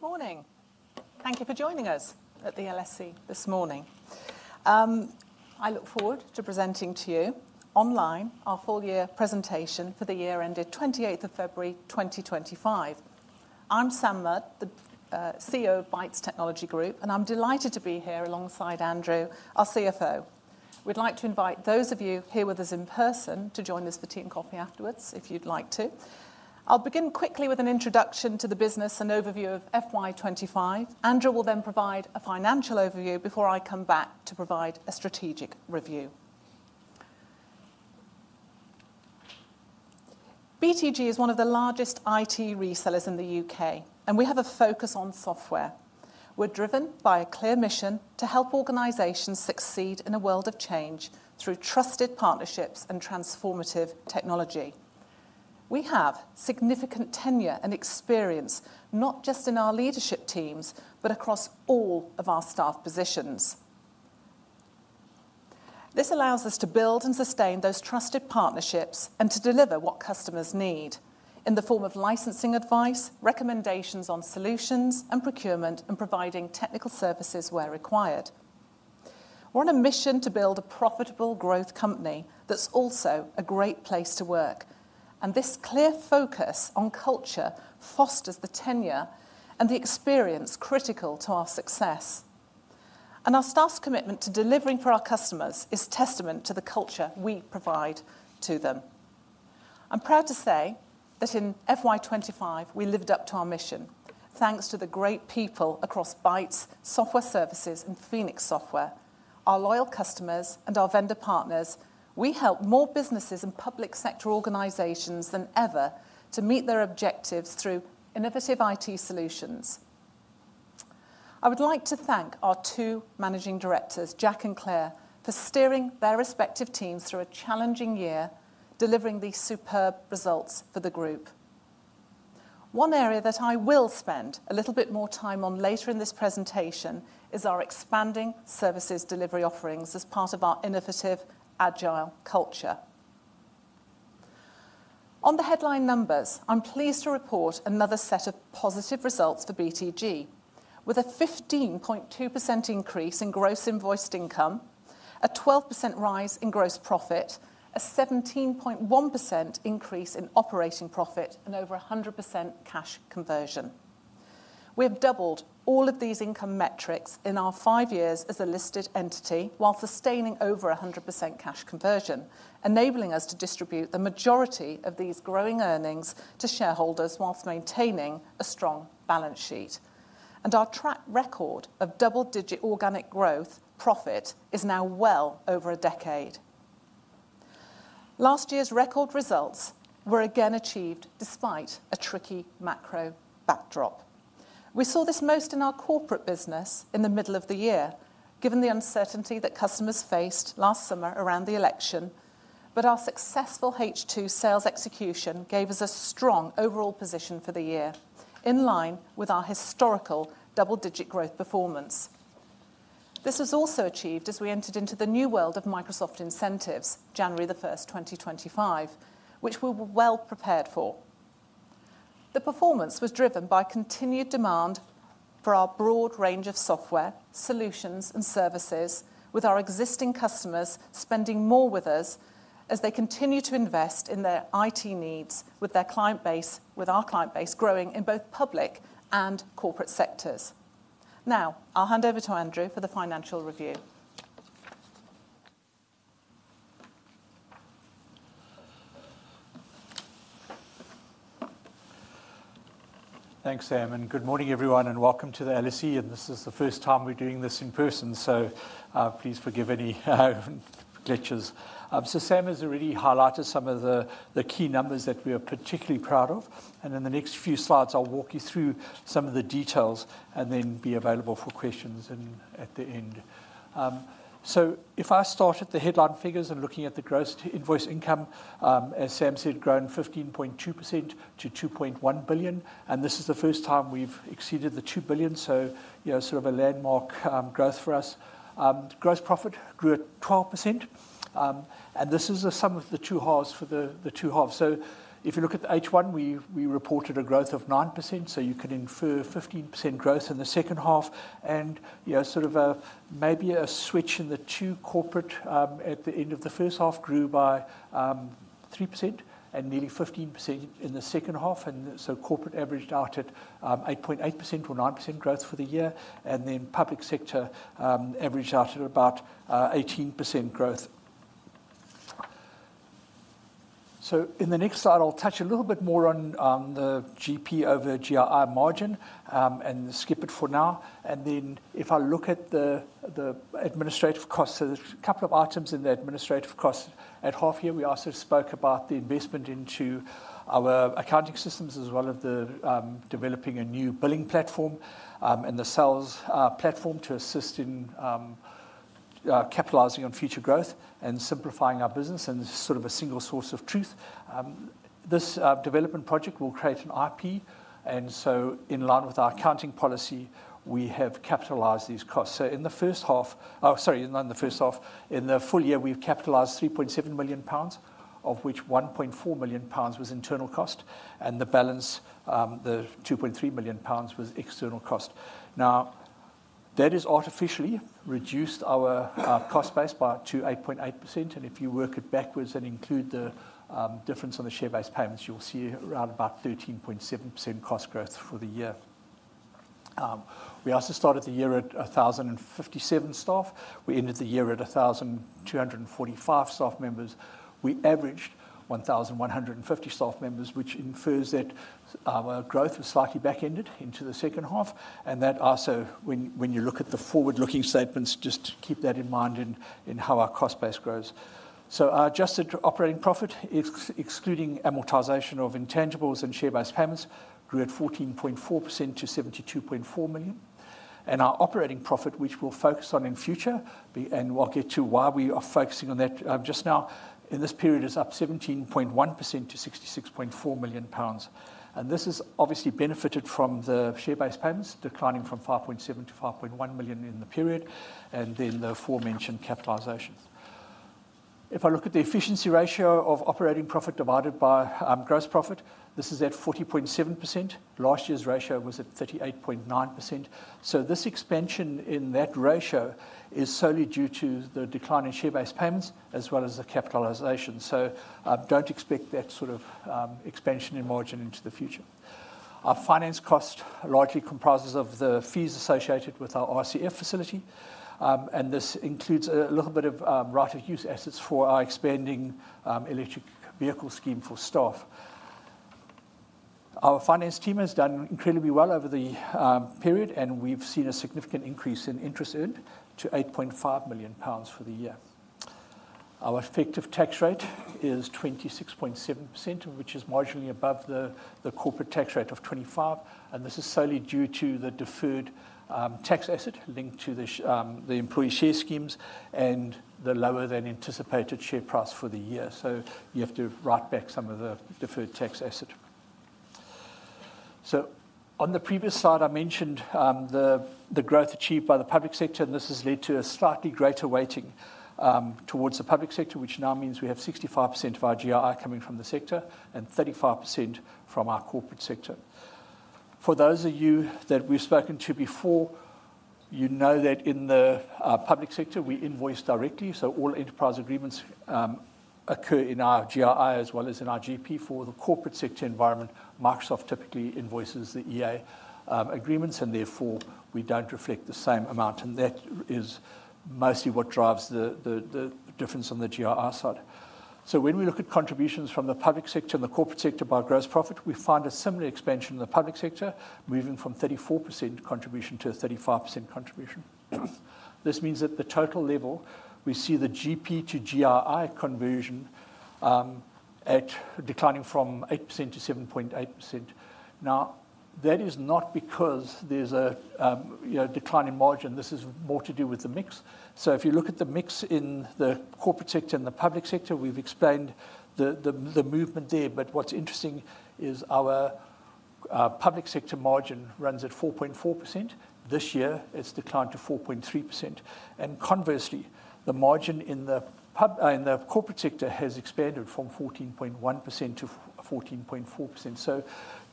Good morning. Thank you for joining us at the LSC this morning. I look forward to presenting to you online our full year presentation for the year ended 28th of February 2025. I'm Sam Mudd, the CEO of Bytes Technology Group, and I'm delighted to be here alongside Andrew, our CFO. We'd like to invite those of you here with us in person to join us for tea and coffee afterwards, if you'd like to. I'll begin quickly with an introduction to the business and overview of FY25. Andrew will then provide a financial overview before I come back to provide a strategic review. BTG is one of the largest IT resellers in the U.K., and we have a focus on software. We're driven by a clear mission to help organizations succeed in a world of change through trusted partnerships and transformative technology. We have significant tenure and experience, not just in our leadership teams, but across all of our staff positions. This allows us to build and sustain those trusted partnerships and to deliver what customers need in the form of licensing advice, recommendations on solutions, and procurement, and providing technical services where required. We are on a mission to build a profitable growth company that is also a great place to work, and this clear focus on culture fosters the tenure and the experience critical to our success. Our staff's commitment to delivering for our customers is testament to the culture we provide to them. I am proud to say that in 2025, we lived up to our mission, thanks to the great people across Bytes, Bytes Software Services, and Phoenix Software, our loyal customers, and our vendor partners. We help more businesses and public sector organizations than ever to meet their objectives through innovative IT solutions. I would like to thank our two Managing Directors, Jack and Claire, for steering their respective teams through a challenging year, delivering these superb results for the group. One area that I will spend a little bit more time on later in this presentation is our expanding services delivery offerings as part of our innovative agile culture. On the headline numbers, I'm pleased to report another set of positive results for Bytes Technology Group, with a 15.2% increase in gross invoiced income, a 12% rise in gross profit, a 17.1% increase in operating profit, and over 100% cash conversion. We have doubled all of these income metrics in our five years as a listed entity, while sustaining over 100% cash conversion, enabling us to distribute the majority of these growing earnings to shareholders whilst maintaining a strong balance sheet. Our track record of double-digit organic growth profit is now well over a decade. Last year's record results were again achieved despite a tricky macro backdrop. We saw this most in our corporate business in the middle of the year, given the uncertainty that customers faced last summer around the election. Our successful H2 sales execution gave us a strong overall position for the year, in line with our historical double-digit growth performance. This was also achieved as we entered into the new world of Microsoft incentives January 1, 2025, which we were well prepared for. The performance was driven by continued demand for our broad range of software solutions and services, with our existing customers spending more with us as they continue to invest in their IT needs, with our client base growing in both public and corporate sectors. Now I'll hand over to Andrew for the financial review. Thanks, Sam. Good morning, everyone, and welcome to the LSC. This is the first time we're doing this in person, so please forgive any glitches. Sam has already highlighted some of the key numbers that we are particularly proud of. In the next few slides, I'll walk you through some of the details and then be available for questions at the end. If I start at the headline figures and looking at the gross invoice income, as Sam said, grown 15.2% to 2.1 billion. This is the first time we've exceeded the 2 billion, so sort of a landmark growth for us. Gross profit grew at 12%, and this is the sum of the two halves for the two halves. If you look at H1, we reported a growth of 9%, so you can infer 15% growth in the second half. Sort of maybe a switch in the two, corporate at the end of the first half grew by 3% and nearly 15% in the second half. Corporate averaged out at 8.8% or 9% growth for the year. Public sector averaged out at about 18% growth. In the next slide, I'll touch a little bit more on the GP over GRI margin and skip it for now. If I look at the administrative costs, there are a couple of items in the administrative costs at half year. We also spoke about the investment into our accounting systems as well as developing a new billing platform and the sales platform to assist in capitalizing on future growth and simplifying our business and sort of a single source of truth. This development project will create an IP. In line with our accounting policy, we have capitalized these costs. In the full year, we've capitalized 3.7 million pounds, of which 1.4 million pounds was internal cost, and the balance, the 2.3 million pounds, was external cost. That has artificially reduced our cost base by 8.8%. If you work it backwards and include the difference on the share-based payments, you'll see around 13.7% cost growth for the year. We also started the year at 1,057 staff. We ended the year at 1,245 staff members. We averaged 1,150 staff members, which infers that our growth was slightly back-ended into the second half. When you look at the forward-looking statements, just keep that in mind in how our cost base grows. Our adjusted operating profit, excluding amortization of intangibles and share-based payments, grew at 14.4% to 72.4 million. Our operating profit, which we'll focus on in future, and I'll get to why we are focusing on that just now in this period, is up 17.1% to 66.4 million pounds. This has obviously benefited from the share-based payments declining from 5.7 million to 5.1 million in the period and then the aforementioned capitalization. If I look at the efficiency ratio of operating profit divided by gross profit, this is at 40.7%. Last year's ratio was at 38.9%. This expansion in that ratio is solely due to the decline in share-based payments as well as the capitalization. Do not expect that sort of expansion in margin into the future. Our finance cost likely comprises of the fees associated with our ICF facility. This includes a little bit of right-of-use assets for our expanding electric vehicle scheme for staff. Our finance team has done incredibly well over the period, and we've seen a significant increase in interest earned to 8.5 million pounds for the year. Our effective tax rate is 26.7%, which is marginally above the corporate tax rate of 25%. This is solely due to the deferred tax asset linked to the employee share schemes and the lower-than-anticipated share price for the year. You have to write back some of the deferred tax asset. On the previous slide, I mentioned the growth achieved by the public sector, and this has led to a slightly greater weighting towards the public sector, which now means we have 65% of our GII coming from the sector and 35% from our corporate sector. For those of you that we've spoken to before, you know that in the public sector, we invoice directly. All enterprise agreements occur in our GRI as well as in our GP for the corporate sector environment. Microsoft typically invoices the EA agreements, and therefore we do not reflect the same amount. That is mostly what drives the difference on the GRI side. When we look at contributions from the public sector and the corporate sector by gross profit, we find a similar expansion in the public sector, moving from 34% contribution to 35% contribution. This means at the total level, we see the GP to GRI conversion declining from 8% to 7.8%. That is not because there is a declining margin. This is more to do with the mix. If you look at the mix in the corporate sector and the public sector, we've explained the movement there. What's interesting is our public sector margin runs at 4.4%. This year, it's declined to 4.3%. Conversely, the margin in the corporate sector has expanded from 14.1%-14.4%.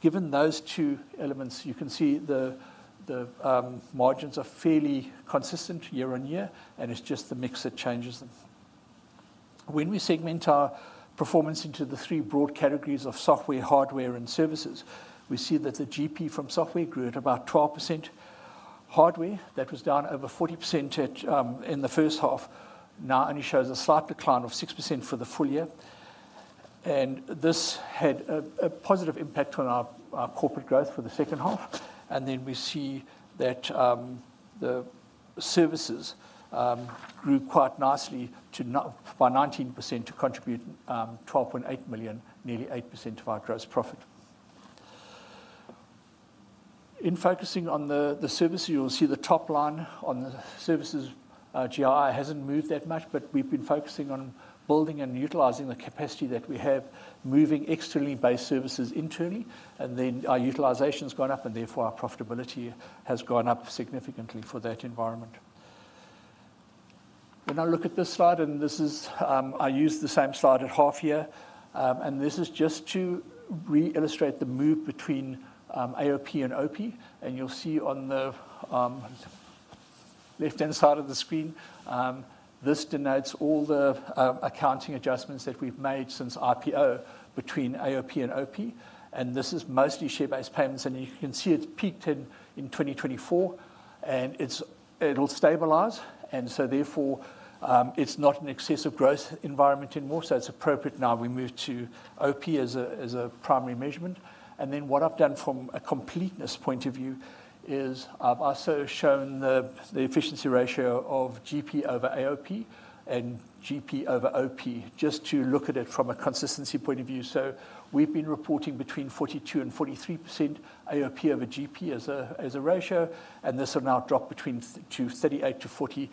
Given those two elements, you can see the margins are fairly consistent year on year, and it's just the mix that changes them. When we segment our performance into the three broad categories of software, hardware, and services, we see that the GP from software grew at about 12%. Hardware, that was down over 40% in the first half, now only shows a slight decline of 6% for the full year. This had a positive impact on our corporate growth for the second half. We see that the services grew quite nicely by 19% to contribute 12.8 million, nearly 8% of our gross profit. In focusing on the services, you'll see the top line on the services GII has not moved that much, but we've been focusing on building and utilizing the capacity that we have, moving externally based services internally. Our utilization has gone up, and therefore our profitability has gone up significantly for that environment. When I look at this slide, and I use the same slide at half year, this is just to re-illustrate the move between AOP and OP. You'll see on the left-hand side of the screen, this denotes all the accounting adjustments that we've made since IPO between AOP and OP. This is mostly share-based payments. You can see it has peaked in 2024, and it will stabilize. Therefore, it's not an excessive growth environment anymore. It's appropriate now we move to OP as a primary measurement. What I've done from a completeness point of view is I've also shown the efficiency ratio of GP over AOP and GP over OP, just to look at it from a consistency point of view. We've been reporting between 42%-43% AOP over GP as a ratio, and this will now drop to 38%-40%.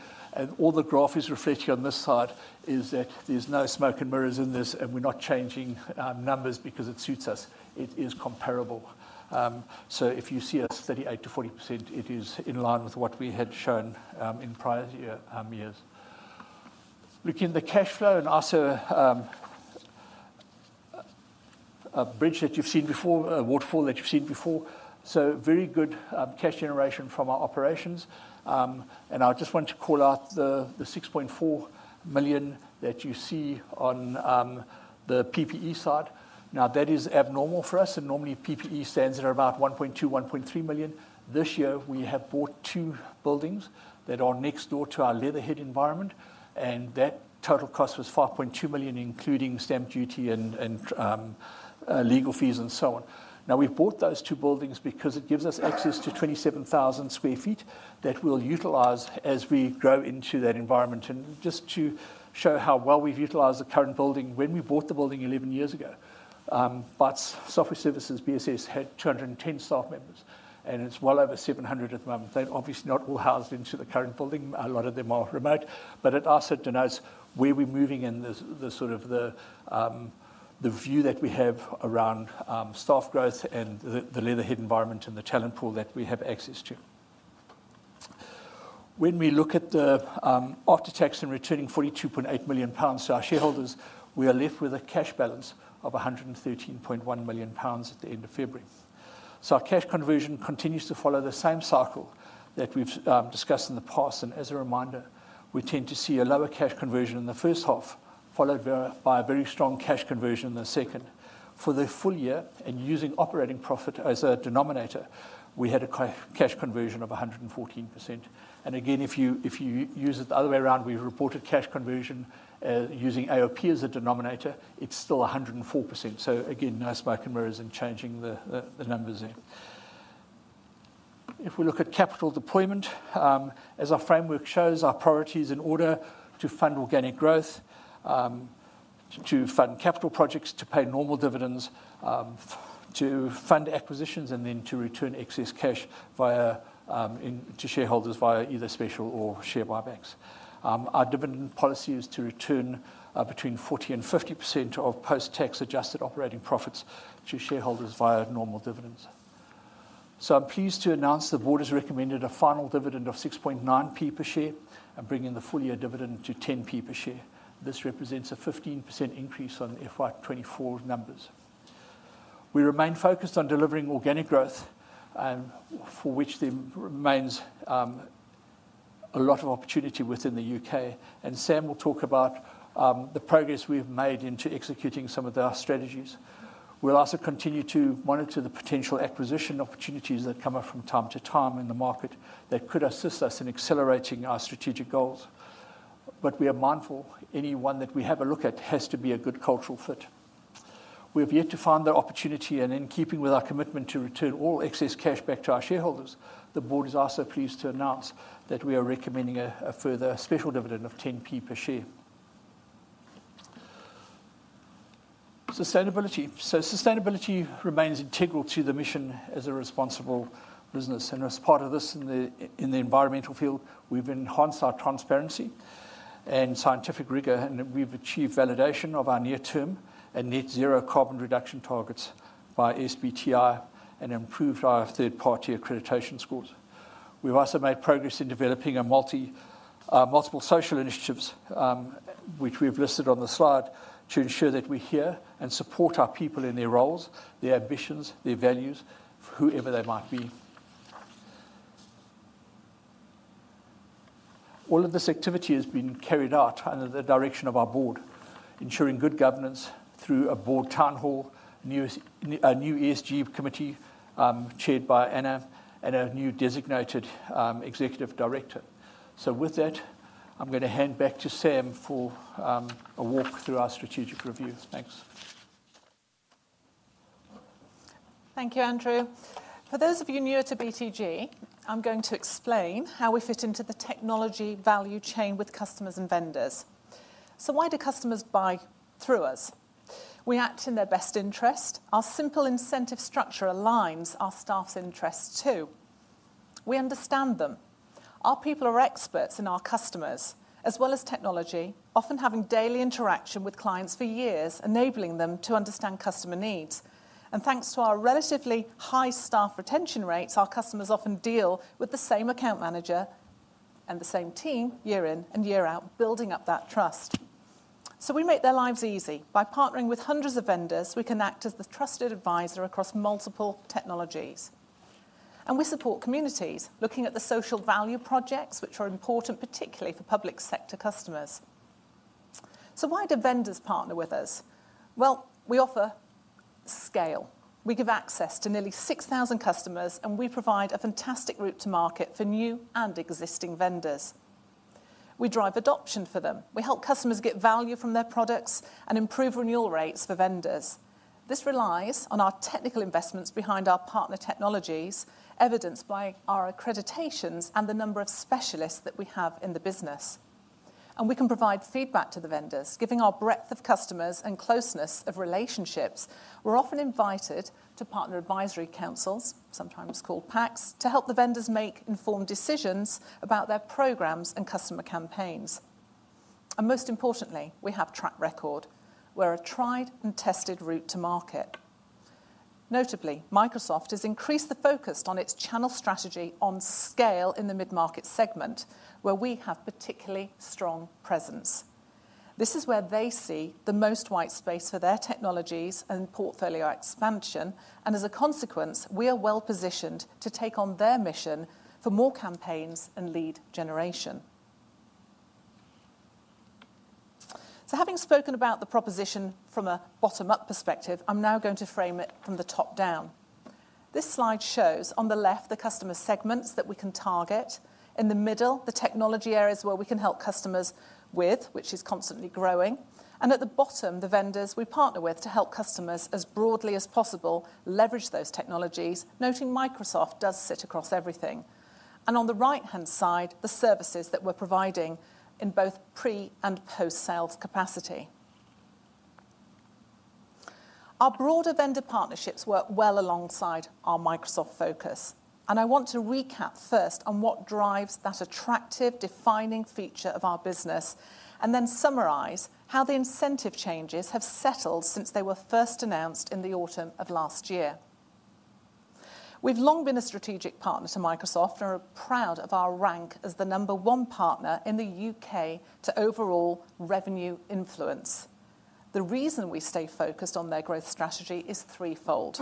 All the graph is reflecting on this side is that there's no smoke and mirrors in this, and we're not changing numbers because it suits us. It is comparable. If you see a 38%-40%, it is in line with what we had shown in prior years. Looking at the cash flow and also a bridge that you've seen before, a waterfall that you've seen before. Very good cash generation from our operations. I just want to call out the 6.4 million that you see on the PPE side. That is abnormal for us. Normally, PPE stands at about 1.2- 1.3 million. This year, we have bought two buildings that are next door to our Leatherhead environment, and that total cost was 5.2 million, including stamp duty and legal fees and so on. We have bought those two buildings because it gives us access to 27,000 sq ft that we'll utilize as we grow into that environment. Just to show how well we've utilized the current building, when we bought the building 11 years ago, Bytes Software Services had 210 staff members, and it's well over 700 at the moment. They're obviously not all housed into the current building. A lot of them are remote. It also denotes where we're moving and the view that we have around staff growth and the Leatherhead environment and the talent pool that we have access to. When we look at the after-tax and returning 42.8 million pounds to our shareholders, we are left with a cash balance of 113.1 million pounds at the end of February. Our cash conversion continues to follow the same cycle that we've discussed in the past. As a reminder, we tend to see a lower cash conversion in the first half, followed by a very strong cash conversion in the second. For the full year and using operating profit as a denominator, we had a cash conversion of 114%. If you use it the other way around, we reported cash conversion using AOP as a denominator, it's still 104%. No smoke and mirrors in changing the numbers there. If we look at capital deployment, as our framework shows, our priority is in order to fund organic growth, to fund capital projects, to pay normal dividends, to fund acquisitions, and then to return excess cash to shareholders via either special or share buybacks. Our dividend policy is to return between 40%-50% of post-tax adjusted operating profits to shareholders via normal dividends. I'm pleased to announce the board has recommended a final dividend of 0.069 per share, bringing the full year dividend to 0.10 per share. This represents a 15% increase on FY2024 numbers. We remain focused on delivering organic growth, for which there remains a lot of opportunity within the U.K. Sam will talk about the progress we have made into executing some of the strategies. We will also continue to monitor the potential acquisition opportunities that come up from time to time in the market that could assist us in accelerating our strategic goals. We are mindful anyone that we have a look at has to be a good cultural fit. We have yet to find the opportunity. In keeping with our commitment to return all excess cash back to our shareholders, the board is also pleased to announce that we are recommending a further special dividend of 0.10 per share. Sustainability remains integral to the mission as a responsible business. As part of this in the environmental field, we've enhanced our transparency and scientific rigor, and we've achieved validation of our near-term and net zero carbon reduction targets by SBTi and improved our third-party accreditation scores. We've also made progress in developing multiple social initiatives, which we've listed on the slide, to ensure that we hear and support our people in their roles, their ambitions, their values, whoever they might be. All of this activity has been carried out under the direction of our board, ensuring good governance through a board town hall, a new ESG committee chaired by Anna, and a new designated executive director. With that, I'm going to hand back to Sam for a walk through our strategic review. Thanks. Thank you, Andrew. For those of you newer to BTG, I'm going to explain how we fit into the technology value chain with customers and vendors. Why do customers buy through us? We act in their best interest. Our simple incentive structure aligns our staff's interests too. We understand them. Our people are experts in our customers, as well as technology, often having daily interaction with clients for years, enabling them to understand customer needs. Thanks to our relatively high staff retention rates, our customers often deal with the same account manager and the same team year in and year out, building up that trust. We make their lives easy. By partnering with hundreds of vendors, we can act as the trusted advisor across multiple technologies. We support communities, looking at the social value projects, which are important particularly for public sector customers. Why do vendors partner with us? We offer scale. We give access to nearly 6,000 customers, and we provide a fantastic route to market for new and existing vendors. We drive adoption for them. We help customers get value from their products and improve renewal rates for vendors. This relies on our technical investments behind our partner technologies, evidenced by our accreditations and the number of specialists that we have in the business. We can provide feedback to the vendors. Given our breadth of customers and closeness of relationships, we are often invited to partner advisory councils, sometimes called PACs, to help the vendors make informed decisions about their programs and customer campaigns. Most importantly, we have track record. We are a tried and tested route to market. Notably, Microsoft has increased the focus on its channel strategy on scale in the mid-market segment, where we have particularly strong presence. This is where they see the most white space for their technologies and portfolio expansion. As a consequence, we are well positioned to take on their mission for more campaigns and lead generation. Having spoken about the proposition from a bottom-up perspective, I'm now going to frame it from the top down. This slide shows, on the left, the customer segments that we can target. In the middle, the technology areas where we can help customers with, which is constantly growing. At the bottom, the vendors we partner with to help customers as broadly as possible leverage those technologies, noting Microsoft does sit across everything. On the right-hand side, the services that we're providing in both pre and post-sales capacity. Our broader vendor partnerships work well alongside our Microsoft focus. I want to recap first on what drives that attractive, defining feature of our business, and then summarize how the incentive changes have settled since they were first announced in the autumn of last year. We've long been a strategic partner to Microsoft and are proud of our rank as the number one partner in the U.K. to overall revenue influence. The reason we stay focused on their growth strategy is threefold.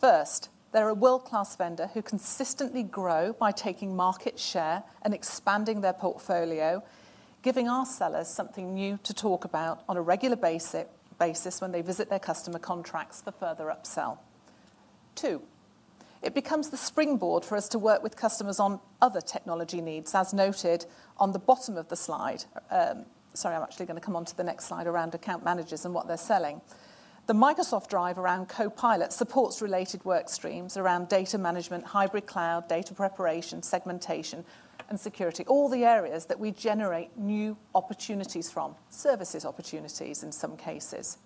First, they're a world-class vendor who consistently grow by taking market share and expanding their portfolio, giving our sellers something new to talk about on a regular basis when they visit their customer contracts for further upsell. Two, it becomes the springboard for us to work with customers on other technology needs, as noted on the bottom of the slide. Sorry, I'm actually going to come on to the next slide around account managers and what they're selling. The Microsoft drive around Copilot supports related work streams around data management, hybrid cloud, data preparation, segmentation, and security, all the areas that we generate new opportunities from, services opportunities in some cases.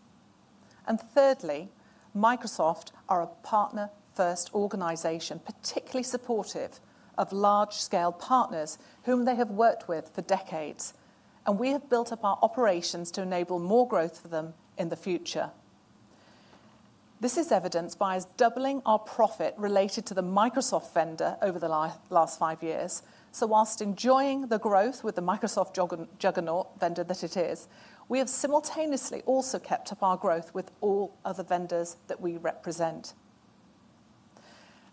Thirdly, Microsoft are a partner-first organization, particularly supportive of large-scale partners whom they have worked with for decades. We have built up our operations to enable more growth for them in the future. This is evidenced by us doubling our profit related to the Microsoft vendor over the last five years. Whilst enjoying the growth with the Microsoft juggernaut vendor that it is, we have simultaneously also kept up our growth with all other vendors that we represent.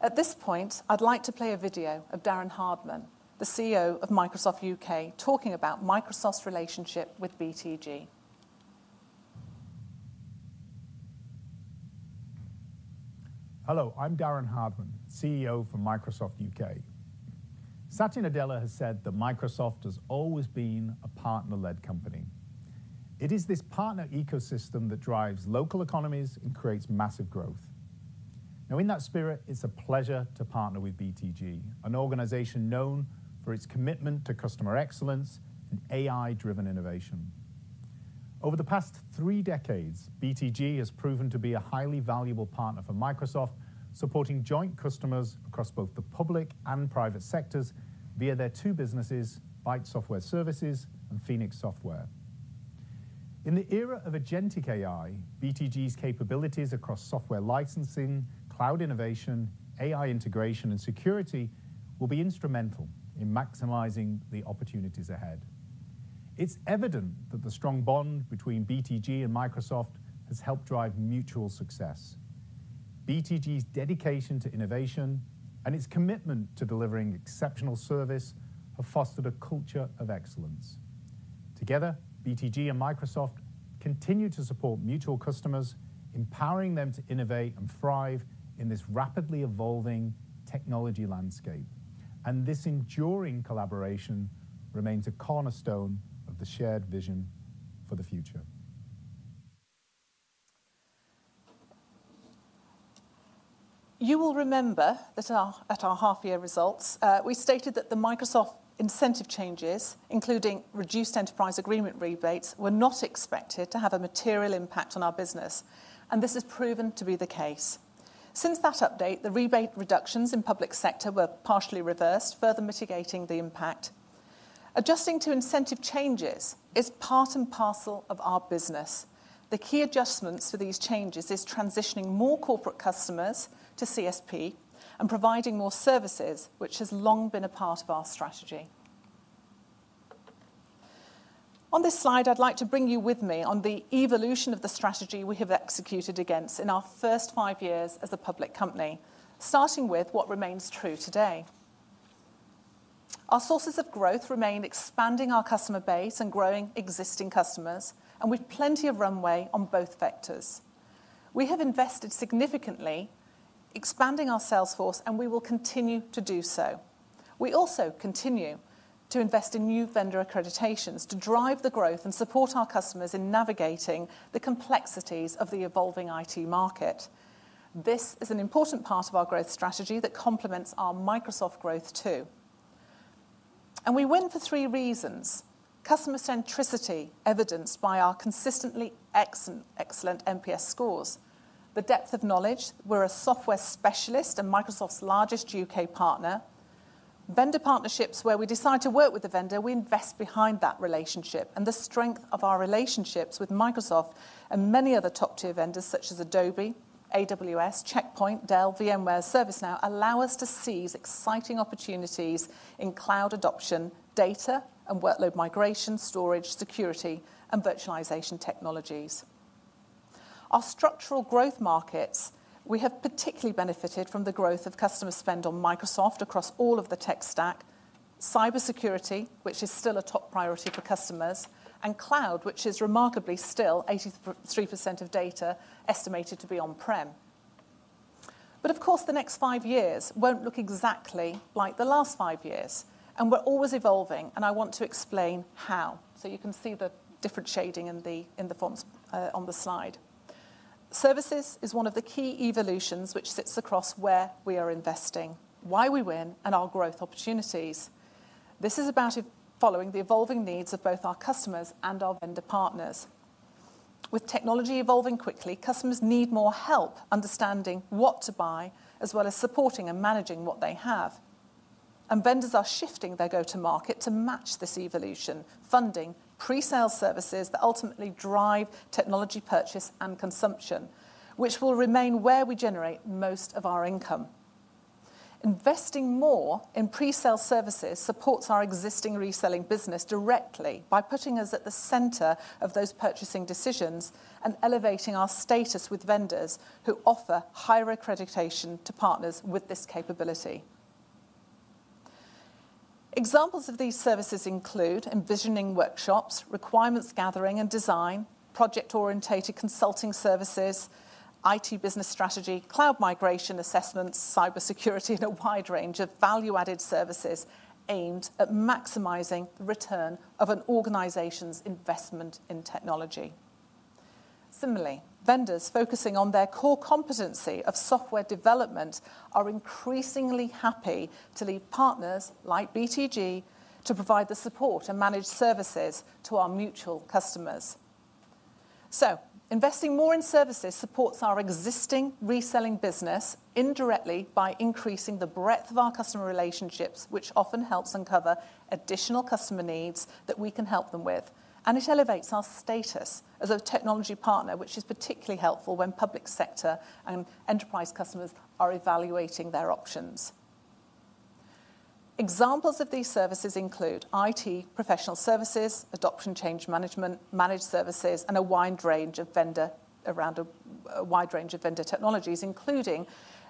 At this point, I'd like to play a video of Darren Hardman, the CEO of Microsoft UK, talking about Microsoft's relationship with BTG. Hello, I'm Darren Hardman, CEO for Microsoft UK. Satya Nadella has said that Microsoft has always been a partner-led company. It is this partner ecosystem that drives local economies and creates massive growth. Now, in that spirit, it's a pleasure to partner with BTG, an organization known for its commitment to customer excellence and AI-driven innovation. Over the past three decades, BTG has proven to be a highly valuable partner for Microsoft, supporting joint customers across both the public and private sectors via their two businesses, Bytes Software Services and Phoenix Software. In the era of agentic AI, BTG's capabilities across software licensing, cloud innovation, AI integration, and security will be instrumental in maximizing the opportunities ahead. is evident that the strong bond between BTG and Microsoft has helped drive mutual success. BTG's dedication to innovation and its commitment to delivering exceptional service have fostered a culture of excellence. Together, BTG and Microsoft continue to support mutual customers, empowering them to innovate and thrive in this rapidly evolving technology landscape. This enduring collaboration remains a cornerstone of the shared vision for the future. You will remember that at our half-year results, we stated that the Microsoft incentive changes, including reduced enterprise agreement rebates, were not expected to have a material impact on our business. This has proven to be the case. Since that update, the rebate reductions in public sector were partially reversed, further mitigating the impact. Adjusting to incentive changes is part and parcel of our business. The key adjustments for these changes are transitioning more corporate customers to CSP and providing more services, which has long been a part of our strategy. On this slide, I'd like to bring you with me on the evolution of the strategy we have executed against in our first five years as a public company, starting with what remains true today. Our sources of growth remain expanding our customer base and growing existing customers, and we have plenty of runway on both vectors. We have invested significantly, expanding our sales force, and we will continue to do so. We also continue to invest in new vendor accreditations to drive the growth and support our customers in navigating the complexities of the evolving IT market. This is an important part of our growth strategy that complements our Microsoft growth too. We win for three reasons: customer centricity evidenced by our consistently excellent MPS scores, the depth of knowledge; we're a software specialist and Microsoft's largest U.K. partner, vendor partnerships where we decide to work with the vendor, we invest behind that relationship. The strength of our relationships with Microsoft and many other top-tier vendors such as Adobe, AWS, Checkpoint, Dell, VMware, and ServiceNow allow us to seize exciting opportunities in cloud adoption, data and workload migration, storage, security, and virtualization technologies. Our structural growth markets, we have particularly benefited from the growth of customer spend on Microsoft across all of the tech stack, cybersecurity, which is still a top priority for customers, and cloud, which is remarkably still 83% of data estimated to be on-prem. Of course, the next five years will not look exactly like the last five years. We are always evolving, and I want to explain how. You can see the different shading in the fonts on the slide. Services is one of the key evolutions which sits across where we are investing, why we win, and our growth opportunities. This is about following the evolving needs of both our customers and our vendor partners. With technology evolving quickly, customers need more help understanding what to buy, as well as supporting and managing what they have. Vendors are shifting their go-to-market to match this evolution, funding pre-sale services that ultimately drive technology purchase and consumption, which will remain where we generate most of our income. Investing more in pre-sale services supports our existing reselling business directly by putting us at the center of those purchasing decisions and elevating our status with vendors who offer higher accreditation to partners with this capability. Examples of these services include envisioning workshops, requirements gathering and design, project-orientated consulting services, IT business strategy, cloud migration assessments, cybersecurity, and a wide range of value-added services aimed at maximizing the return of an organization's investment in technology. Similarly, vendors focusing on their core competency of software development are increasingly happy to leave partners like Bytes Technology Group to provide the support and manage services to our mutual customers. Investing more in services supports our existing reselling business indirectly by increasing the breadth of our customer relationships, which often helps uncover additional customer needs that we can help them with. It elevates our status as a technology partner, which is particularly helpful when public sector and enterprise customers are evaluating their options. Examples of these services include IT professional services, adoption change management, managed services, and a wide range of vendor technologies, including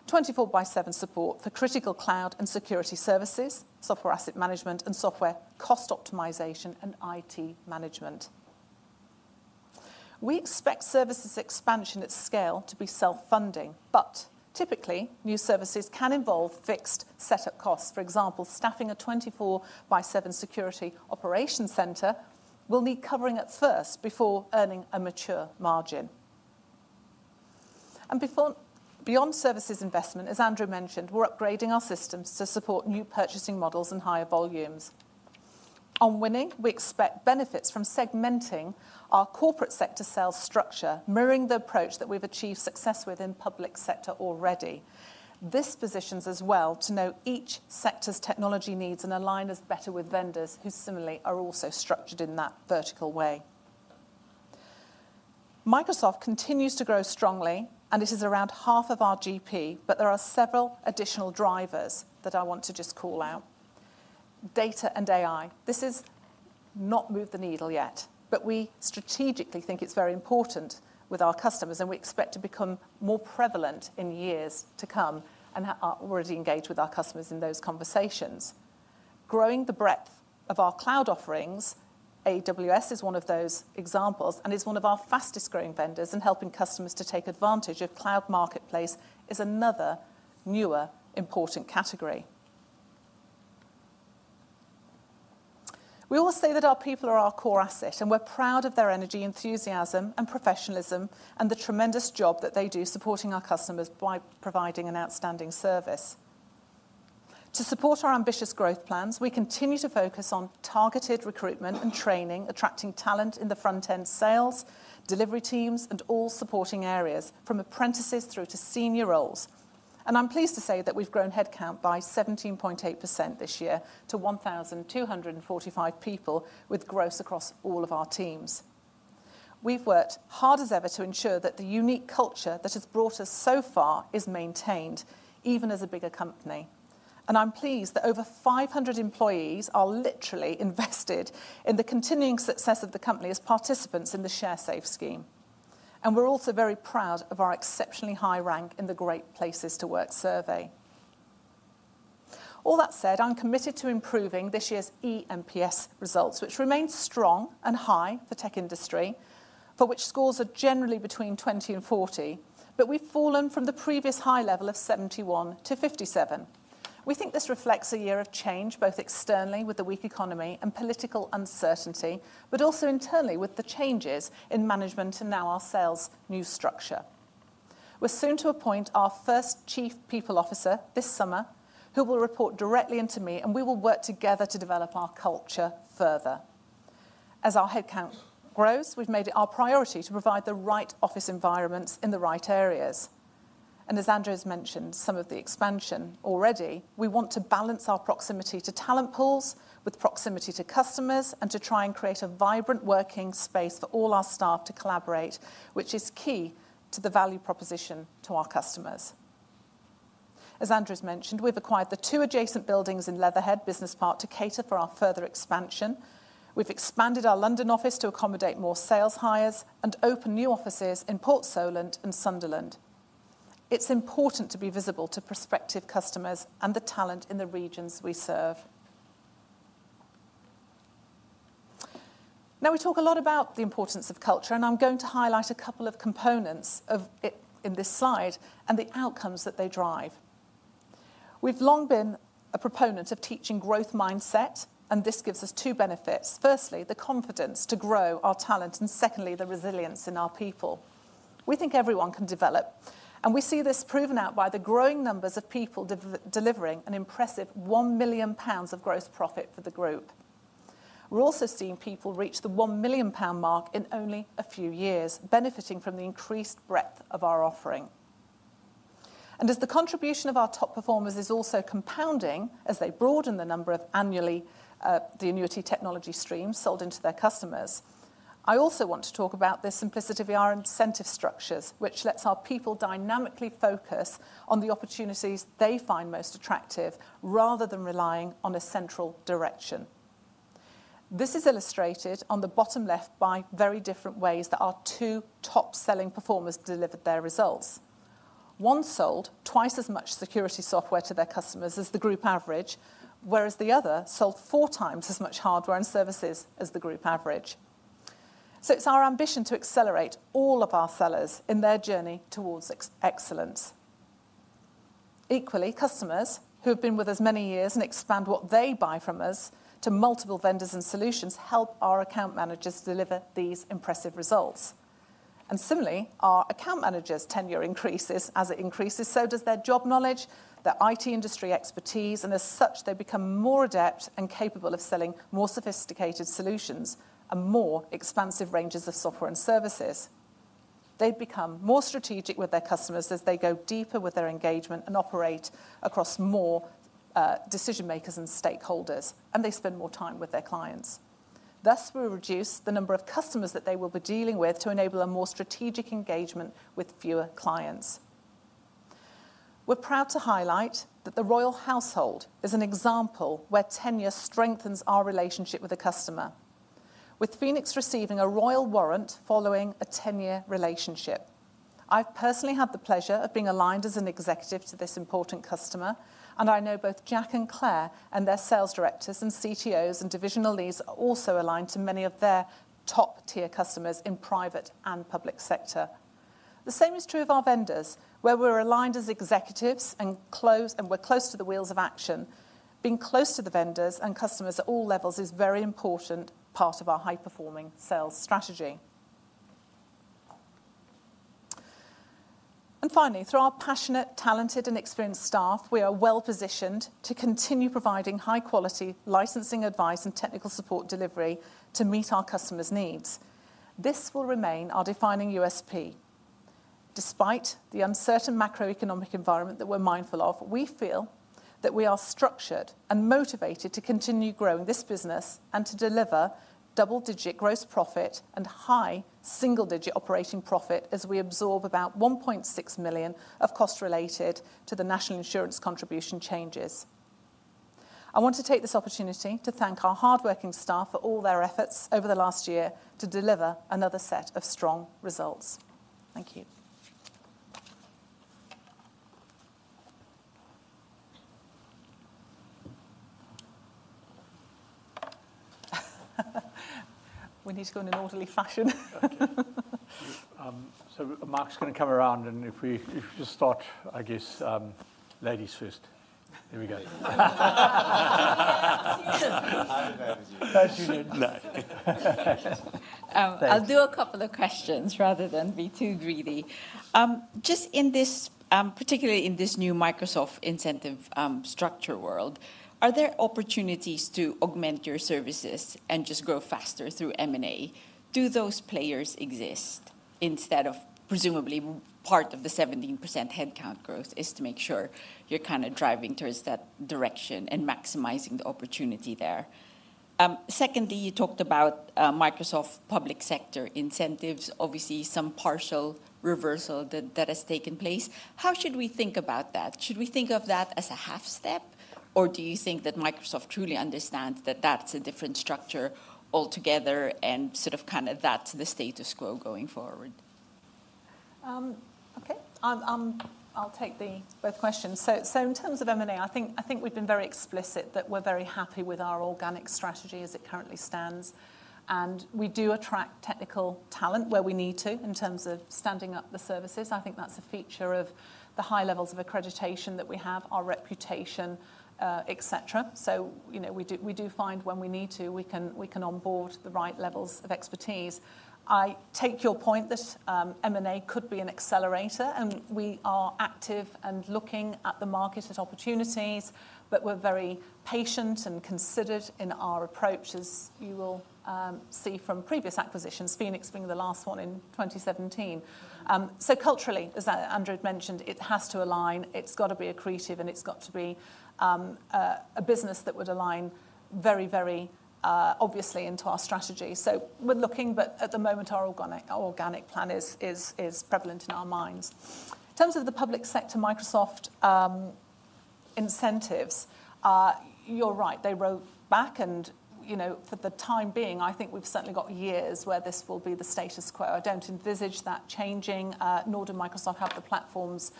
24x7 support for critical cloud and security services, software asset management, and software cost optimization and IT management. We expect services expansion at scale to be self-funding. Typically, new services can involve fixed setup costs. For example, staffing a 24x7 security operations center will need covering at first before earning a mature margin. Beyond services investment, as Andrew mentioned, we're upgrading our systems to support new purchasing models and higher volumes. On winning, we expect benefits from segmenting our corporate sector sales structure, mirroring the approach that we've achieved success with in public sector already. This positions us well to know each sector's technology needs and align us better with vendors who similarly are also structured in that vertical way. Microsoft continues to grow strongly, and it is around half of our GP, but there are several additional drivers that I want to just call out. Data and AI, this has not moved the needle yet, but we strategically think it's very important with our customers, and we expect to become more prevalent in years to come and are already engaged with our customers in those conversations. Growing the breadth of our cloud offerings, AWS is one of those examples, and it's one of our fastest-growing vendors, and helping customers to take advantage of cloud marketplace is another newer important category. We all say that our people are our core asset, and we're proud of their energy, enthusiasm, and professionalism, and the tremendous job that they do supporting our customers by providing an outstanding service. To support our ambitious growth plans, we continue to focus on targeted recruitment and training, attracting talent in the front-end sales, delivery teams, and all supporting areas from apprentices through to senior roles. I am pleased to say that we have grown headcount by 17.8% this year to 1,245 people with growth across all of our teams. We have worked hard as ever to ensure that the unique culture that has brought us so far is maintained, even as a bigger company. I am pleased that over 500 employees are literally invested in the continuing success of the company as participants in the ShareSafe scheme. We are also very proud of our exceptionally high rank in the Great Places to Work survey. All that said, I am committed to improving this year's eMPS results, which remain strong and high for tech industry, for which scores are generally between 20% and 40%. We have fallen from the previous high level of 71% to 57%. We think this reflects a year of change, both externally with the weak economy and political uncertainty, but also internally with the changes in management and now our sales new structure. We are soon to appoint our first Chief People Officer this summer, who will report directly into me, and we will work together to develop our culture further. As our headcount grows, we have made it our priority to provide the right office environments in the right areas. As Andrew has mentioned, some of the expansion already, we want to balance our proximity to talent pools with proximity to customers and to try and create a vibrant working space for all our staff to collaborate, which is key to the value proposition to our customers. As Andrew has mentioned, we have acquired the two adjacent buildings in Leatherhead Business Park to cater for our further expansion. We have expanded our London office to accommodate more sales hires and opened new offices in Port Solent and Sunderland. It is important to be visible to prospective customers and the talent in the regions we serve. Now, we talk a lot about the importance of culture, and I am going to highlight a couple of components of it in this slide and the outcomes that they drive. We have long been a proponent of teaching growth mindset, and this gives us two benefits. Firstly, the confidence to grow our talent, and secondly, the resilience in our people. We think everyone can develop, and we see this proven out by the growing numbers of people delivering an impressive 1 million pounds of gross profit for the group. We're also seeing people reach the 1 million pound mark in only a few years, benefiting from the increased breadth of our offering. As the contribution of our top performers is also compounding as they broaden the number of annually the annuity technology streams sold into their customers, I also want to talk about the simplicity of our incentive structures, which lets our people dynamically focus on the opportunities they find most attractive rather than relying on a central direction. This is illustrated on the bottom left by very different ways that our two top-selling performers delivered their results. One sold twice as much security software to their customers as the group average, whereas the other sold four times as much hardware and services as the group average. It is our ambition to accelerate all of our sellers in their journey towards excellence. Equally, customers who have been with us many years and expand what they buy from us to multiple vendors and solutions help our account managers deliver these impressive results. Similarly, our account managers' tenure increases. As it increases, so does their job knowledge, their IT industry expertise, and as such, they become more adept and capable of selling more sophisticated solutions and more expansive ranges of software and services. They become more strategic with their customers as they go deeper with their engagement and operate across more decision-makers and stakeholders, and they spend more time with their clients. Thus, we reduce the number of customers that they will be dealing with to enable a more strategic engagement with fewer clients. We're proud to highlight that the Royal Household is an example where tenure strengthens our relationship with a customer, with Phoenix Software receiving a Royal Warrant following a ten-year relationship. I've personally had the pleasure of being aligned as an executive to this important customer, and I know both Jack and Claire and their sales directors and CTOs and divisional leads are also aligned to many of their top-tier customers in private and public sector. The same is true of our vendors, where we're aligned as executives and close and we're close to the wheels of action. Being close to the vendors and customers at all levels is a very important part of our high-performing sales strategy. Finally, through our passionate, talented, and experienced staff, we are well-positioned to continue providing high-quality licensing advice and technical support delivery to meet our customers' needs. This will remain our defining USP. Despite the uncertain macroeconomic environment that we're mindful of, we feel that we are structured and motivated to continue growing this business and to deliver double-digit gross profit and high single-digit operating profit as we absorb about 1.6 million of cost related to the National Insurance Contribution changes. I want to take this opportunity to thank our hardworking staff for all their efforts over the last year to deliver another set of strong results. Thank you. We need to go in an orderly fashion. Mark's going to come around, and if we just start, I guess, ladies first. There we go. I'll do a couple of questions rather than be too greedy. Just in this, particularly in this new Microsoft incentive structure world, are there opportunities to augment your services and just grow faster through M&A? Do those players exist instead of presumably part of the 17% headcount growth is to make sure you're kind of driving towards that direction and maximizing the opportunity there? Secondly, you talked about Microsoft public sector incentives, obviously some partial reversal that has taken place. How should we think about that? Should we think of that as a half-step, or do you think that Microsoft truly understands that that's a different structure altogether and sort of kind of that's the status quo going forward? Okay, I'll take both questions. In terms of M&A, I think we've been very explicit that we're very happy with our organic strategy as it currently stands. We do attract technical talent where we need to in terms of standing up the services. I think that's a feature of the high levels of accreditation that we have, our reputation, etc. We do find when we need to, we can onboard the right levels of expertise. I take your point that M&A could be an accelerator, and we are active and looking at the market as opportunities, but we are very patient and considered in our approach, as you will see from previous acquisitions, Phoenix being the last one in 2017. Culturally, as Andrew had mentioned, it has to align. It has got to be accretive, and it has got to be a business that would align very, very obviously into our strategy. We are looking, but at the moment, our organic plan is prevalent in our minds. In terms of the public sector Microsoft incentives, you are right, they roll back. For the time being, I think we have certainly got years where this will be the status quo. I do not envisage that changing, nor do Microsoft have the platforms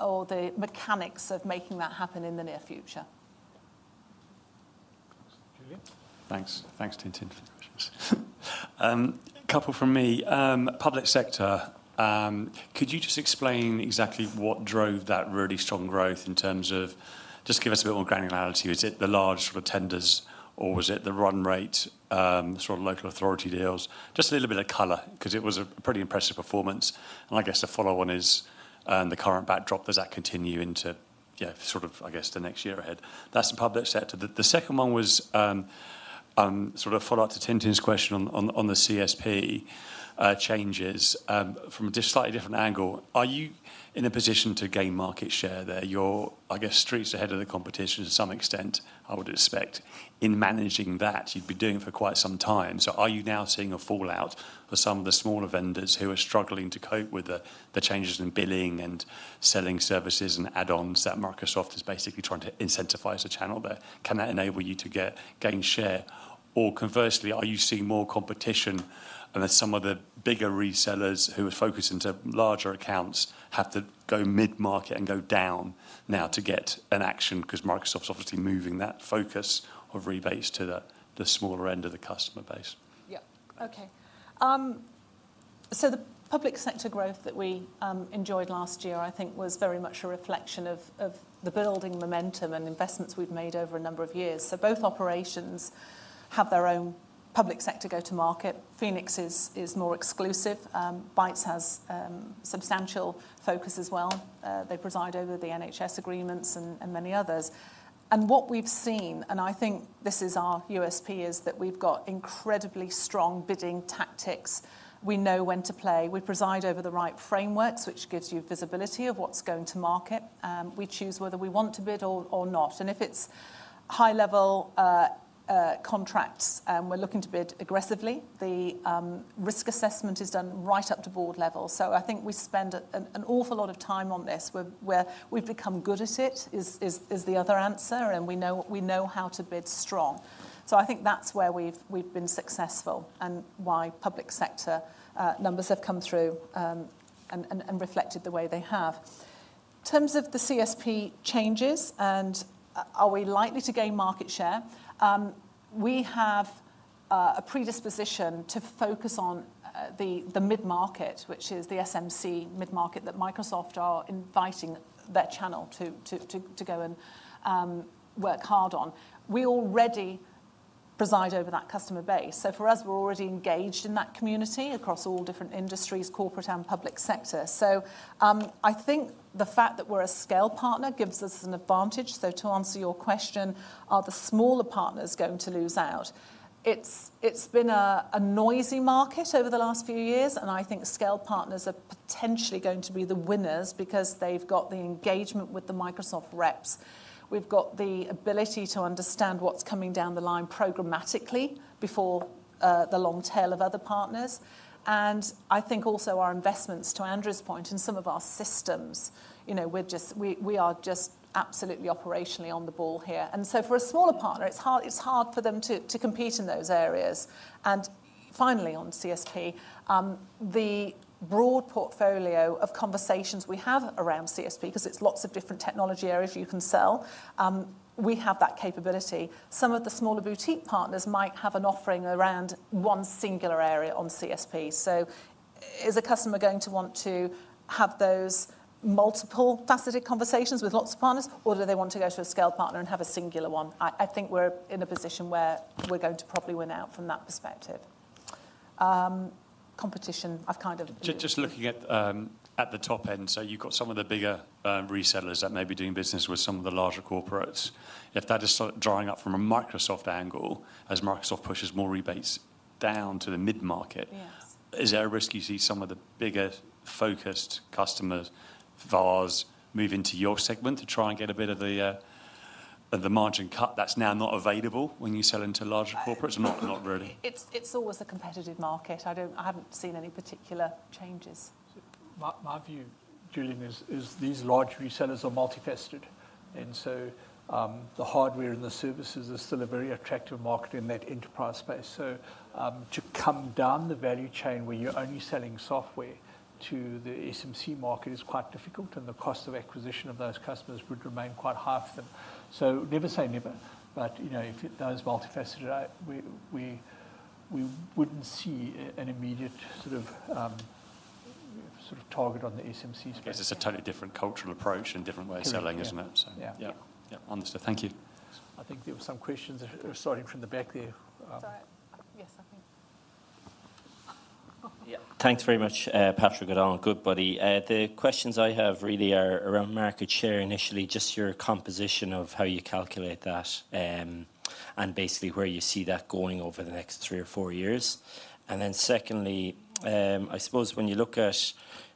or the mechanics of making that happen in the near future. Thanks, Tintin, for the questions. A couple from me. Public sector, could you just explain exactly what drove that really strong growth in terms of just give us a bit more granularity? Was it the large sort of tenders, or was it the run rate, sort of local authority deals? Just a little bit of color, because it was a pretty impressive performance. I guess the follow-on is the current backdrop. Does that continue into sort of, I guess, the next year ahead? That is the public sector. The second one was sort of a follow-up to Tintin's question on the CSP changes from a slightly different angle. Are you in a position to gain market share there? You're, I guess, streets ahead of the competition to some extent, I would expect, in managing that you've been doing for quite some time. Are you now seeing a fallout for some of the smaller vendors who are struggling to cope with the changes in billing and selling services and add-ons that Microsoft is basically trying to incentivize a channel there? Can that enable you to gain share? Or conversely, are you seeing more competition and that some of the bigger resellers who are focused into larger accounts have to go mid-market and go down now to get an action because Microsoft's obviously moving that focus of rebates to the smaller end of the customer base? Yeah, okay. The public sector growth that we enjoyed last year, I think, was very much a reflection of the building momentum and investments we've made over a number of years. Both operations have their own public sector go-to-market. Phoenix is more exclusive. Bytes has substantial focus as well. They preside over the NHS agreements and many others. What we've seen, and I think this is our USP, is that we've got incredibly strong bidding tactics. We know when to play. We preside over the right frameworks, which gives you visibility of what's going to market. We choose whether we want to bid or not. If it's high-level contracts and we're looking to bid aggressively, the risk assessment is done right up to board level. I think we spend an awful lot of time on this. We've become good at it is the other answer, and we know how to bid strong. I think that's where we've been successful and why public sector numbers have come through and reflected the way they have. In terms of the CSP changes and are we likely to gain market share? We have a predisposition to focus on the mid-market, which is the SMC mid-market that Microsoft are inviting their channel to go and work hard on. We already preside over that customer base. For us, we're already engaged in that community across all different industries, corporate and public sector. I think the fact that we're a scale partner gives us an advantage. To answer your question, are the smaller partners going to lose out? It's been a noisy market over the last few years, and I think scale partners are potentially going to be the winners because they've got the engagement with the Microsoft reps. We've got the ability to understand what's coming down the line programmatically before the long tail of other partners. I think also our investments, to Andrew's point, in some of our systems, we are just absolutely operationally on the ball here. For a smaller partner, it's hard for them to compete in those areas. Finally, on CSP, the broad portfolio of conversations we have around CSP, because it's lots of different technology areas you can sell, we have that capability. Some of the smaller boutique partners might have an offering around one singular area on CSP. Is a customer going to want to have those multiple faceted conversations with lots of partners, or do they want to go to a scale partner and have a singular one? I think we're in a position where we're going to probably win out from that perspective. Competition, I've kind of. Just looking at the top end, so you've got some of the bigger resellers that may be doing business with some of the larger corporates. If that is drying up from a Microsoft angle, as Microsoft pushes more rebates down to the mid-market, is there a risk you see some of the bigger focused customers, VARs, moving to your segment to try and get a bit of the margin cut that's now not available when you sell into larger corporates? Not really. It's always a competitive market. I haven't seen any particular changes. My view, Julian, is these large resellers are multifaceted. The hardware and the services are still a very attractive market in that enterprise space. To come down the value chain where you're only selling software to the SMC market is quite difficult, and the cost of acquisition of those customers would remain quite high for them. Never say never, but if those multifaceted, we would not see an immediate sort of target on the SMC space. It is a totally different cultural approach and different way of selling, is it not? Yeah. Yeah. Understood. Thank you. I think there were some questions starting from the back there. Sorry. Yes, I think. Thanks very much, Patrick O'Donnell, Goodbody. The questions I have really are around market share initially, just your composition of how you calculate that and basically where you see that going over the next three or four years. Secondly, I suppose when you look at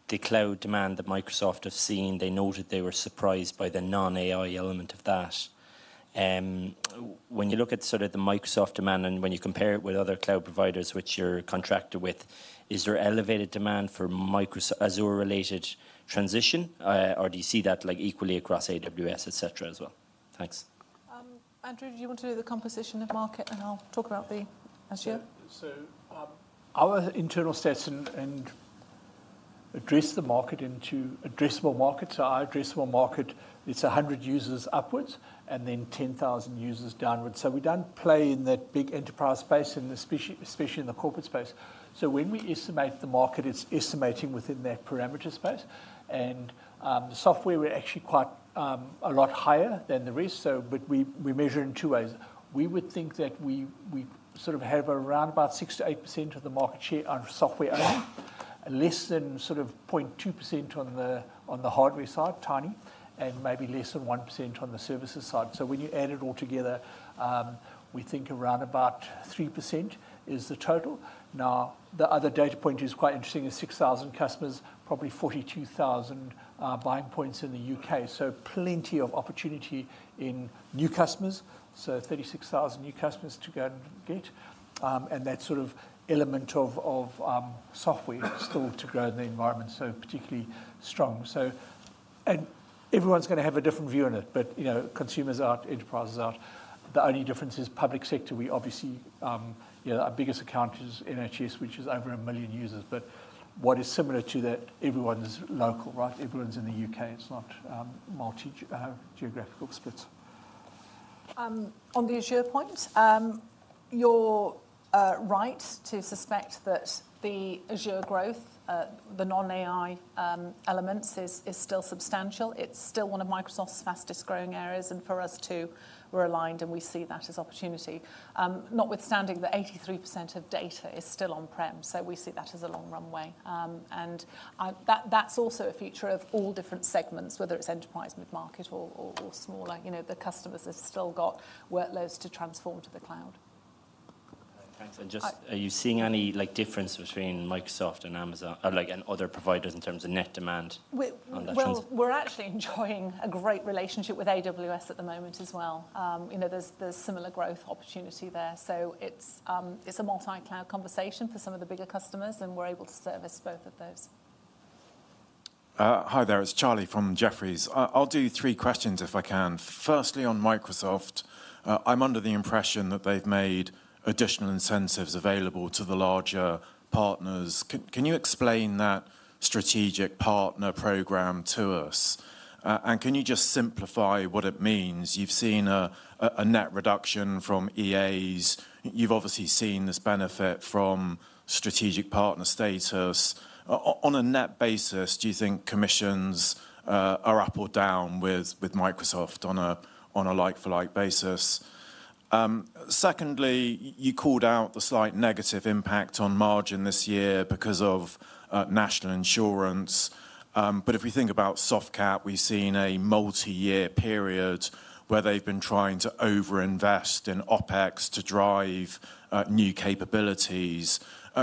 the cloud demand that Microsoft has seen, they noted they were surprised by the non-AI element of that. When you look at sort of the Microsoft demand and when you compare it with other cloud providers which you're contracted with, is there elevated demand for Azure-related transition, or do you see that equally across AWS, etc. as well? Thanks. Andrew, do you want to do the composition of market, and I'll talk about the SGM? Our internal stats address the market into addressable market. Our addressable market, it's 100 users upwards and then 10,000 users downwards. We do not play in that big enterprise space, especially in the corporate space. When we estimate the market, it's estimating within that parameter space. Software were actually quite a lot higher than the risk. We measure in two ways. We would think that we sort of have around about 6%-8% of the market share on software only, less than 0.2% on the hardware side, tiny, and maybe less than 1% on the services side. When you add it all together, we think around about 3% is the total. Now, the other data point is quite interesting is 6,000 customers, probably 42,000 buying points in the U.K. Plenty of opportunity in new customers. 36,000 new customers to go and get. That sort of element of software still to grow in the environment, so particularly strong. Everyone's going to have a different view on it, but consumers aren't, enterprises aren't. The only difference is public sector. We obviously, our biggest account is NHS, which is over a million users. What is similar to that, everyone's local, right? Everyone's in the U.K. It's not multi-geographical splits. On the Azure point, you're right to suspect that the Azure growth, the non-AI elements, is still substantial. It's still one of Microsoft's fastest growing areas, and for us too, we're aligned, and we see that as opportunity. Notwithstanding that 83% of data is still on-prem, so we see that as a long runway. That's also a feature of all different segments, whether it's enterprise, mid-market, or smaller. The customers have still got workloads to transform to the cloud. Thanks. Just, are you seeing any difference between Microsoft and Amazon and other providers in terms of net demand? We're actually enjoying a great relationship with AWS at the moment as well. There's similar growth opportunity there. It's a multi-cloud conversation for some of the bigger customers, and we're able to service both of those. Hi there, it's Charlie from Jefferies. I'll do three questions if I can. Firstly, on Microsoft, I'm under the impression that they've made additional incentives available to the larger partners. Can you explain that strategic partner program to us? Can you just simplify what it means? You've seen a net reduction from EAs. You've obviously seen this benefit from strategic partner status. On a net basis, do you think commissions are up or down with Microsoft on a like-for-like basis? Secondly, you called out the slight negative impact on margin this year because of national insurance. If we think about Softcat, we've seen a multi-year period where they've been trying to overinvest in OpEx to drive new capabilities.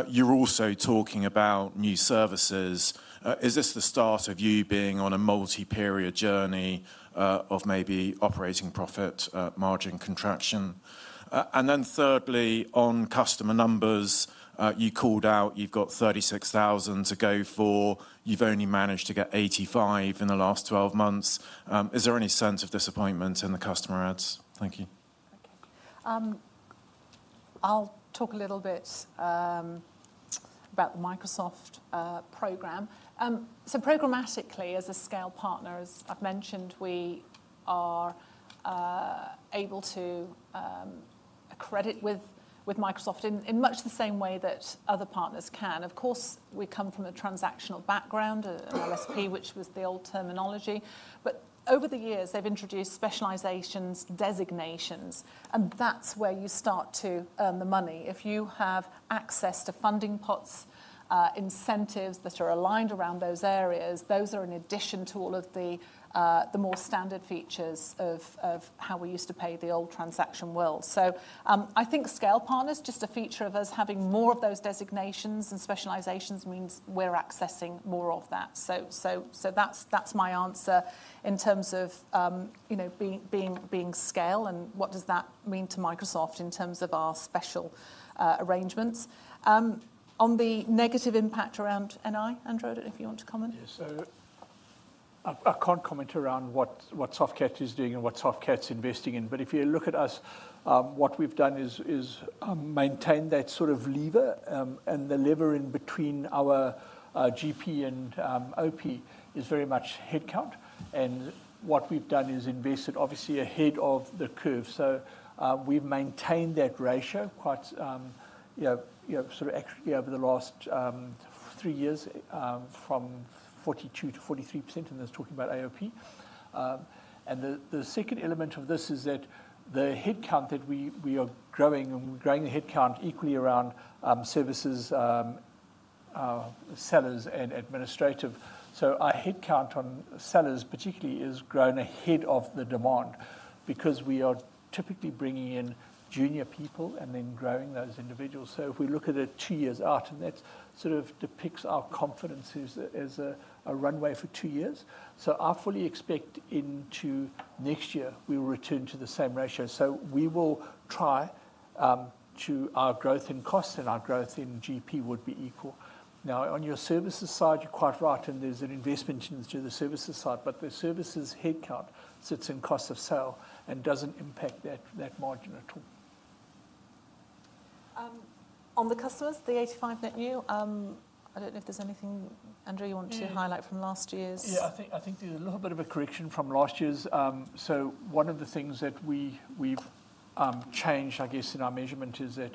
You're also talking about new services. Is this the start of you being on a multi-period journey of maybe operating profit margin contraction? Thirdly, on customer numbers, you called out you've got 36,000 to go for. You've only managed to get 85 in the last 12 months. Is there any sense of disappointment in the customer ads? Thank you. Okay. I'll talk a little bit about the Microsoft program. Programmatically, as a scale partner, as I've mentioned, we are able to accredit with Microsoft in much the same way that other partners can. Of course, we come from a transactional background, an LSP, which was the old terminology. Over the years, they've introduced specializations, designations, and that's where you start to earn the money. If you have access to funding pots, incentives that are aligned around those areas, those are in addition to all of the more standard features of how we used to pay the old transaction world. I think scale partners, just a feature of us having more of those designations and specializations, means we're accessing more of that. That's my answer in terms of being scale and what that means to Microsoft in terms of our special arrangements. On the negative impact around NI, Andrew, I don't know if you want to comment. Yeah, I can't comment around what Softcat is doing and what Softcat's investing in. If you look at us, what we've done is maintain that sort of lever. The lever in between our GP and OP is very much headcount. What we've done is invested, obviously, ahead of the curve. We've maintained that ratio quite accurately over the last three years from 42%-43%, and that's talking about AOP. The second element of this is that the headcount that we are growing, and we are growing the headcount equally around services, sellers, and administrative. Our headcount on sellers, particularly, has grown ahead of the demand because we are typically bringing in junior people and then growing those individuals. If we look at it two years out, and that sort of depicts our confidence as a runway for two years. I fully expect into next year, we will return to the same ratio. We will try to our growth in costs and our growth in GP would be equal. Now, on your services side, you are quite right, and there is an investment into the services side, but the services headcount sits in cost of sale and does not impact that margin at all. On the customers, the 85 net new, I do not know if there is anything, Andrew, you want to highlight from last year's. Yeah, I think there is a little bit of a correction from last year's. One of the things that we have changed, I guess, in our measurement is that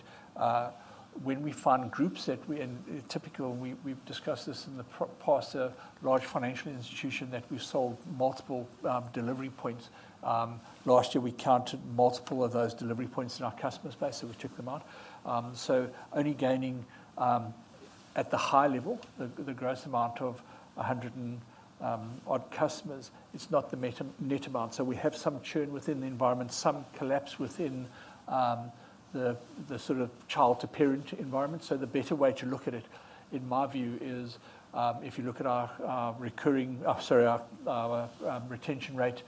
when we fund groups that were typical, and we have discussed this in the past, a large financial institution that we have sold multiple delivery points. Last year, we counted multiple of those delivery points in our customer space, so we took them out. Only gaining at the high level, the gross amount of 100-odd customers, it is not the net amount. We have some churn within the environment, some collapse within the sort of child-to-parent environment. The better way to look at it, in my view, is if you look at our recurring, sorry, our retention rate,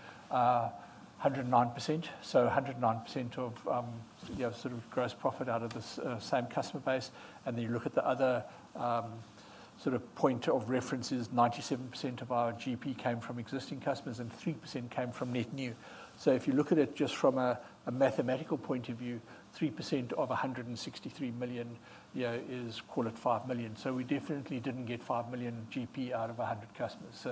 109%. 109% of sort of gross profit out of the same customer base. Then you look at the other sort of point of reference is 97% of our GP came from existing customers, and 3% came from net new. If you look at it just from a mathematical point of view, 3% of 163 million is, call it 5 million. We definitely did not get 5 million GP out of 100 customers.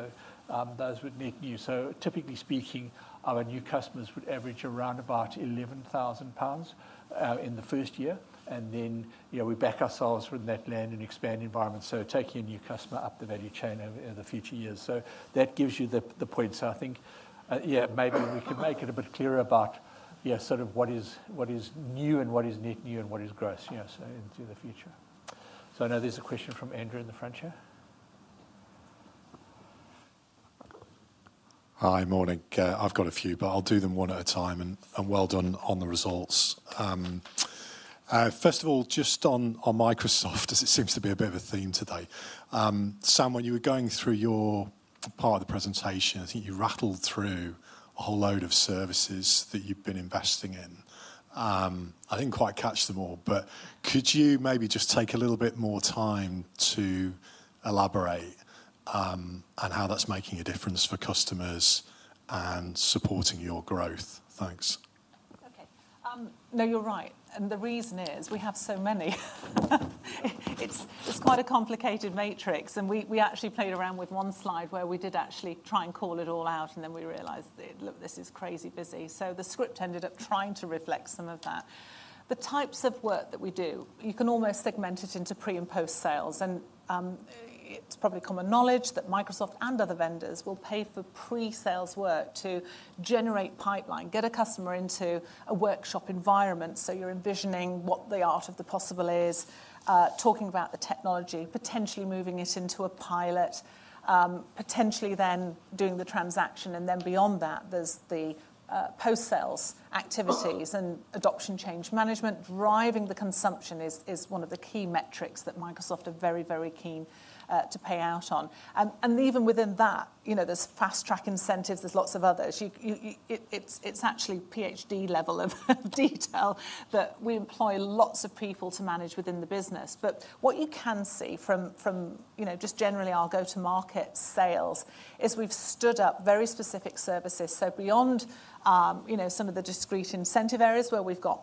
Those were net new. Typically speaking, our new customers would average around about 11,000 pounds in the first year. We back ourselves from that land and expand environment, taking a new customer up the value chain over the future years. That gives you the points. I think, yeah, maybe we can make it a bit clearer about sort of what is new and what is net new and what is gross into the future. I know there's a question from Andrew in the front here. Hi, morning. I've got a few, but I'll do them one at a time. And well done on the results. First of all, just on Microsoft, as it seems to be a bit of a theme today. Sam, when you were going through your part of the presentation, I think you rattled through a whole load of services that you've been investing in. I didn't quite catch them all, but could you maybe just take a little bit more time to elaborate on how that's making a difference for customers and supporting your growth? Thanks. Okay. No, you're right. The reason is we have so many. It's quite a complicated matrix. We actually played around with one slide where we did actually try and call it all out, and then we realized that this is crazy busy. The script ended up trying to reflect some of that. The types of work that we do, you can almost segment it into pre and post-sales. It's probably common knowledge that Microsoft and other vendors will pay for pre-sales work to generate pipeline, get a customer into a workshop environment. You're envisioning what the art of the possible is, talking about the technology, potentially moving it into a pilot, potentially then doing the transaction. Beyond that, there's the post-sales activities and adoption change management. Driving the consumption is one of the key metrics that Microsoft are very, very keen to pay out on. Even within that, there's fast-track incentives. There's lots of others. It's actually PhD level of detail that we employ lots of people to manage within the business. What you can see from just generally our go-to-market sales is we've stood up very specific services. Beyond some of the discrete incentive areas where we've got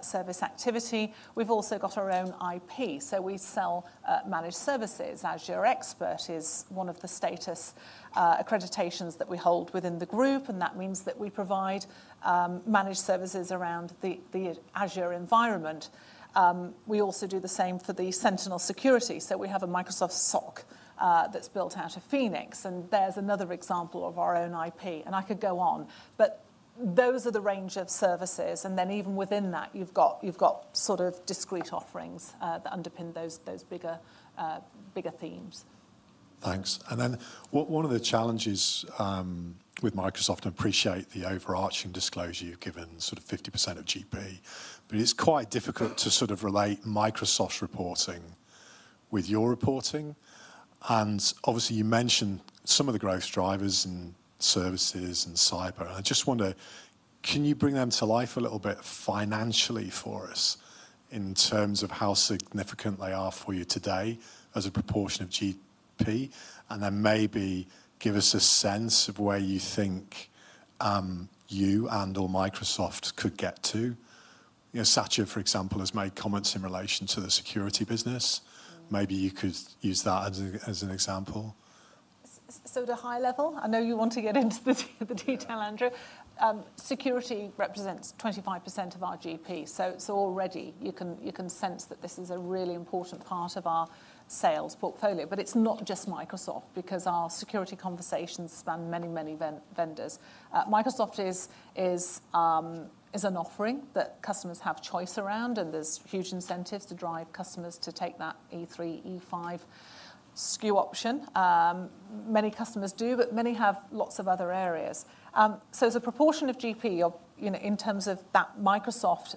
service activity, we've also got our own IP. We sell managed services. Azure Expert is one of the status accreditations that we hold within the group. That means that we provide managed services around the Azure environment. We also do the same for the Sentinel Security. We have a Microsoft SOC that's built out of Phoenix. There's another example of our own IP. I could go on. Those are the range of services. Even within that, you've got sort of discrete offerings that underpin those bigger themes. Thanks. One of the challenges with Microsoft, I appreciate the overarching disclosure you have given, sort of 50% of GP. It is quite difficult to relate Microsoft reporting with your reporting. Obviously, you mentioned some of the growth drivers and services and cyber. I just wonder, can you bring them to life a little bit financially for us in terms of how significant they are for you today as a proportion of GP? Maybe give us a sense of where you think you and/or Microsoft could get to. Satya, for example, has made comments in relation to the security business. Maybe you could use that as an example. At the high level, I know you want to get into the detail, Andrew. Security represents 25% of our GP. It's already, you can sense that this is a really important part of our sales portfolio. It's not just Microsoft because our security conversations span many, many vendors. Microsoft is an offering that customers have choice around. There's huge incentives to drive customers to take that E3, E5 SKU option. Many customers do, but many have lots of other areas. As a proportion of GP, in terms of that Microsoft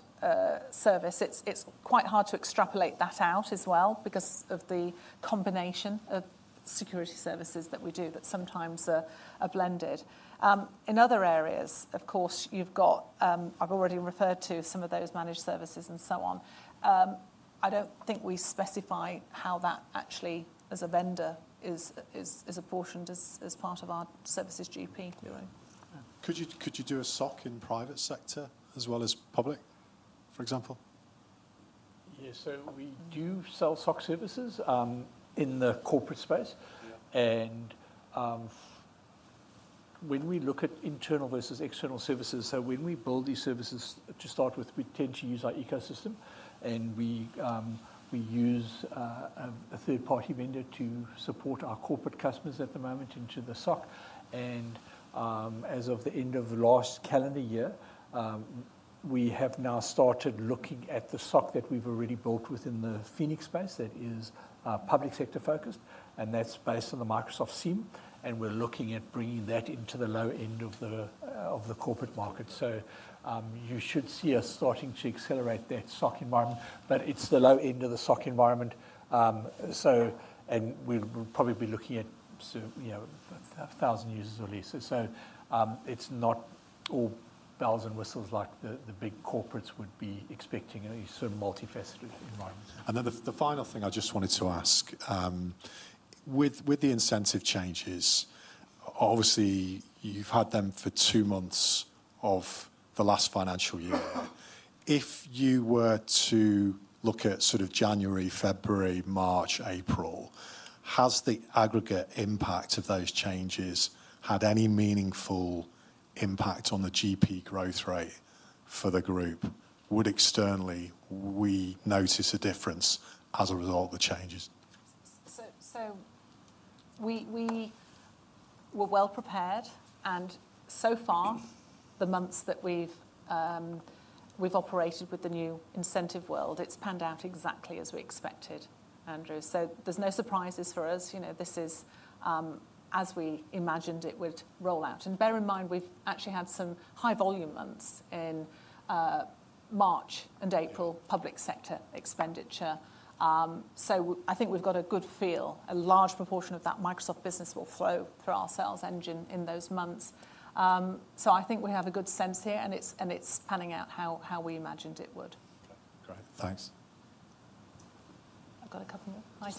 service, it's quite hard to extrapolate that out as well because of the combination of security services that we do that sometimes are blended. In other areas, of course, I've already referred to some of those managed services and so on. I don't think we specify how that actually, as a vendor, is apportioned as part of our services GP. Could you do a SOC in private sector as well as public, for example? Yeah, we do sell SOC services in the corporate space. When we look at internal versus external services, when we build these services, to start with, we tend to use our ecosystem. We use a third-party vendor to support our corporate customers at the moment into the SOC. As of the end of last calendar year, we have now started looking at the SOC that we have already built within the Phoenix space that is public sector focused. That is based on the Microsoft SIEM. We are looking at bringing that into the low end of the corporate market. You should see us starting to accelerate that SOC environment. It is the low end of the SOC environment. We will probably be looking at 1,000 users or less. It is not all bells and whistles like the big corporates would be expecting in a sort of multifaceted environment. The final thing I just wanted to ask, with the incentive changes, obviously, you have had them for two months of the last financial year. If you were to look at January, February, March, April, has the aggregate impact of those changes had any meaningful impact on the GP growth rate for the group? Would externally, we notice a difference as a result of the changes? We were well prepared. So far, the months that we have operated with the new incentive world, it has panned out exactly as we expected, Andrew. There are no surprises for us. This is as we imagined it would roll out. Bear in mind, we have actually had some high-volume months in March and April, public sector expenditure. I think we've got a good feel. A large proportion of that Microsoft business will flow through our sales engine in those months. I think we have a good sense here, and it's panning out how we imagined it would. Great. Thanks. I've got a couple more.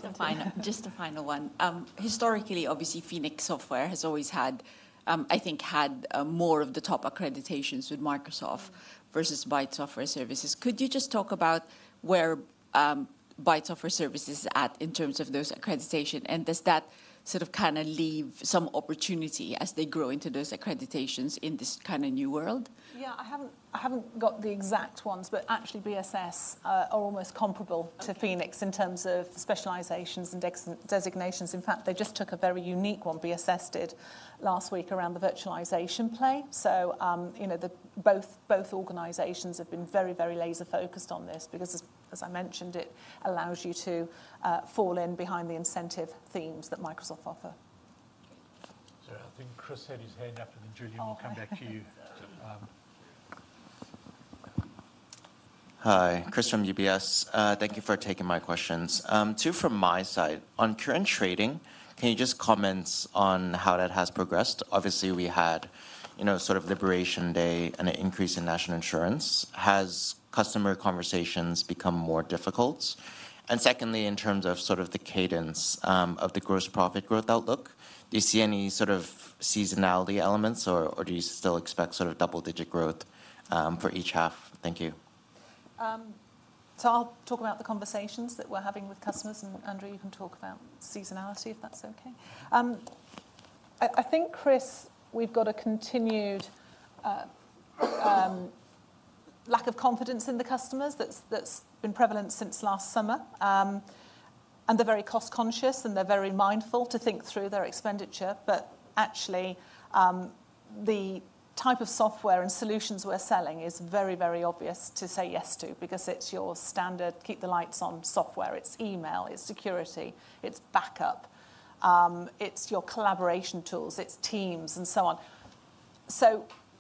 Just a final one. Historically, obviously, Phoenix Software has always had, I think, had more of the top accreditations with Microsoft versus Bytes Software Services. Could you just talk about where Bytes Software Services is at in terms of those accreditations? Does that sort of kind of leave some opportunity as they grow into those accreditations in this kind of new world? Yeah, I haven't got the exact ones, but actually, BSS are almost comparable to Phoenix in terms of specializations and designations. In fact, they just took a very unique one BSS did last week around the virtualization play. Both organizations have been very, very laser-focused on this because, as I mentioned, it allows you to fall in behind the incentive themes that Microsoft offer. I think Chris had his hand up in the Julian. We'll come back to you. Hi, Chris from UBS. Thank you for taking my questions. Two from my side. On current trading, can you just comment on how that has progressed? Obviously, we had sort of Liberation Day and an increase in national insurance. Has customer conversations become more difficult? Secondly, in terms of the cadence of the gross profit growth outlook, do you see any sort of seasonality elements, or do you still expect double-digit growth for each half? Thank you. I'll talk about the conversations that we're having with customers. Andrew, you can talk about seasonality if that's okay. I think, Chris, we've got a continued lack of confidence in the customers that's been prevalent since last summer. They're very cost-conscious, and they're very mindful to think through their expenditure. Actually, the type of software and solutions we're selling is very, very obvious to say yes to because it's your standard keep-the-lights-on software. It's email. It's security. It's backup. It's your collaboration tools. It's Teams and so on.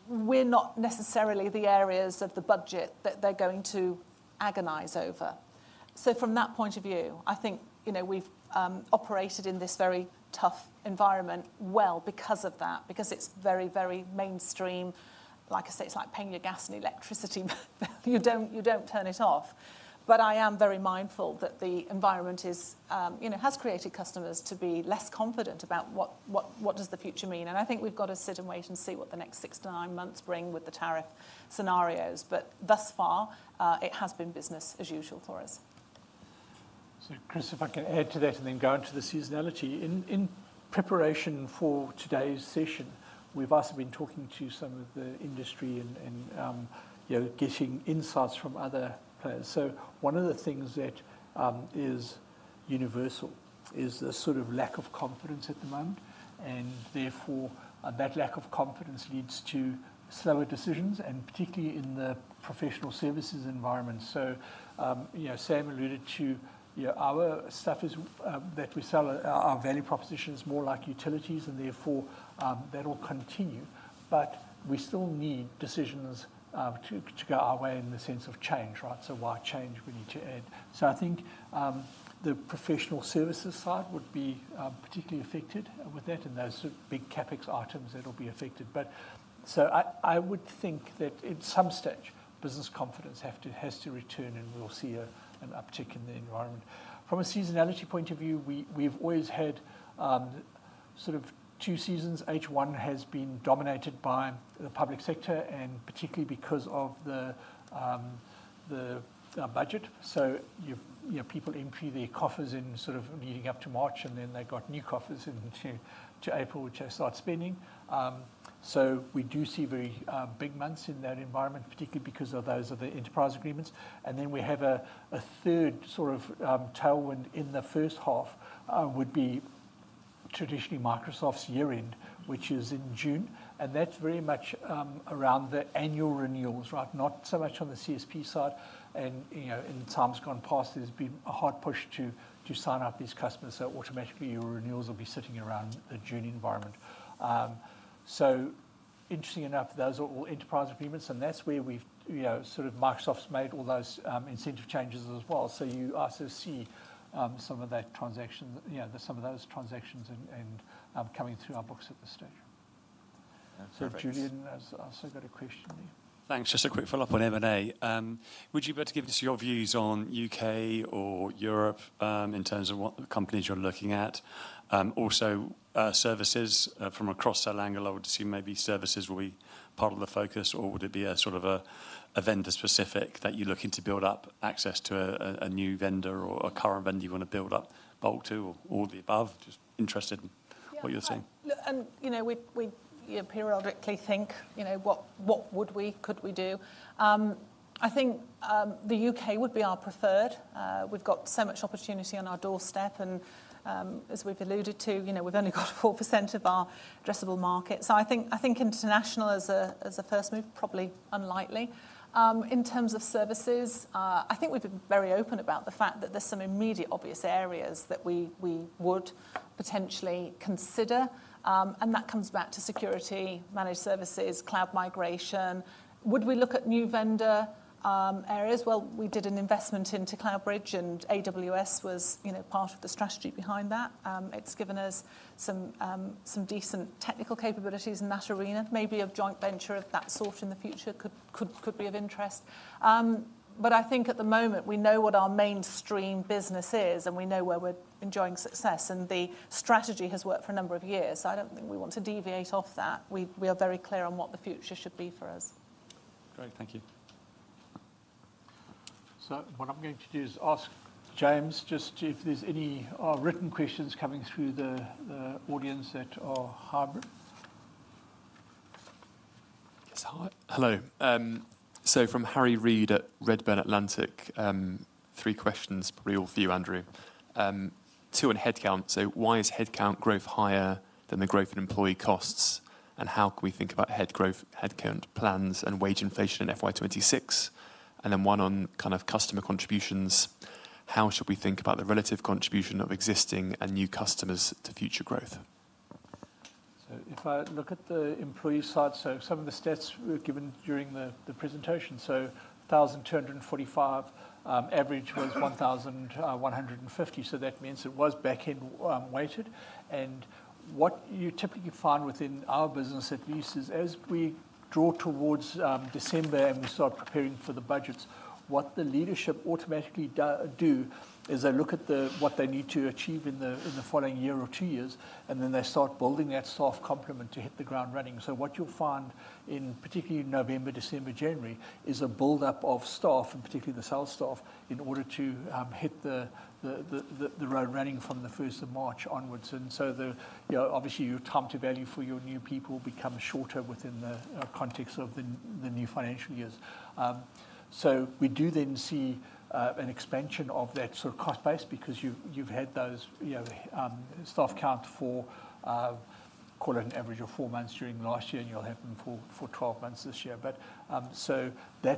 We're not necessarily the areas of the budget that they're going to agonize over. From that point of view, I think we've operated in this very tough environment well because of that, because it's very, very mainstream. Like I say, it's like paying your gas and electricity. You don't turn it off. I am very mindful that the environment has created customers to be less confident about what does the future mean. I think we've got to sit and wait and see what the next six to nine months bring with the tariff scenarios. Thus far, it has been business as usual for us. Chris, if I can add to that and then go into the seasonality. In preparation for today's session, we've also been talking to some of the industry and getting insights from other players. One of the things that is universal is the sort of lack of confidence at the moment. Therefore, that lack of confidence leads to slower decisions, particularly in the professional services environment. Sam alluded to our stuff is that we sell our value propositions more like utilities, and therefore, that will continue. We still need decisions to go our way in the sense of change, right? Why change? We need to add. I think the professional services side would be particularly affected with that and those big CapEx items that will be affected. I would think that at some stage, business confidence has to return, and we'll see an uptick in the environment. From a seasonality point of view, we've always had sort of two seasons. H1 has been dominated by the public sector, and particularly because of the budget. People empty their coffers in sort of leading up to March, and then they've got new coffers into April, which they start spending. We do see very big months in that environment, particularly because of those enterprise agreements. We have a third sort of tailwind in the first half, which would be traditionally Microsoft's year-end, which is in June. That's very much around the annual renewals, right? Not so much on the CSP side. In times gone past, there's been a hard push to sign up these customers. Automatically, your renewals will be sitting around the June environment. Interesting enough, those are all enterprise agreements. That is where Microsoft's made all those incentive changes as well. You also see some of that transaction, some of those transactions coming through our books at this stage. Julian has also got a question there. Thanks. Just a quick follow-up on M&A. Would you be able to give us your views on U.K. or Europe in terms of what companies you're looking at? Also, services from a cross-sell angle, I would assume maybe services will be part of the focus. Would it be a sort of vendor-specific that you're looking to build up access to a new vendor or a current vendor you want to build up bulk to, or all the above? Just interested in what you're seeing. We periodically think, what would we, could we do? I think the U.K. would be our preferred. We've got so much opportunity on our doorstep. As we've alluded to, we've only got 4% of our addressable market. I think international as a first move is probably unlikely. In terms of services, I think we've been very open about the fact that there are some immediate obvious areas that we would potentially consider. That comes back to security, managed services, cloud migration. Would we look at new vendor areas? We did an investment into CloudBridge, and AWS was part of the strategy behind that. It's given us some decent technical capabilities in that arena. Maybe a joint venture of that sort in the future could be of interest. I think at the moment, we know what our mainstream business is, and we know where we're enjoying success. The strategy has worked for a number of years. I don't think we want to deviate off that. We are very clear on what the future should be for us. Great. Thank you. What I'm going to do is ask James just if there's any written questions coming through the audience at Harvard. Yes. Hello. From Harry Reed at Redburn Atlantic, three questions, probably all for you, Andrew. Two on headcount. Why is headcount growth higher than the growth in employee costs? How can we think about headcount plans and wage inflation in FY2026? One on kind of customer contributions. How should we think about the relative contribution of existing and new customers to future growth? If I look at the employee side, some of the stats were given during the presentation. One thousand two hundred forty-five average was one thousand one hundred fifty. That means it was backend weighted. What you typically find within our business, at least, is as we draw towards December and we start preparing for the budgets, what the leadership automatically do is they look at what they need to achieve in the following year or two years, and then they start building that staff complement to hit the ground running. What you will find in particularly November, December, January is a build-up of staff, and particularly the sales staff, in order to hit the road running from the 1st of March onwards. Obviously, your time to value for your new people becomes shorter within the context of the new financial years. We do then see an expansion of that sort of cost base because you have had those staff count for, call it an average of four months during last year, and you will have them for 12 months this year. That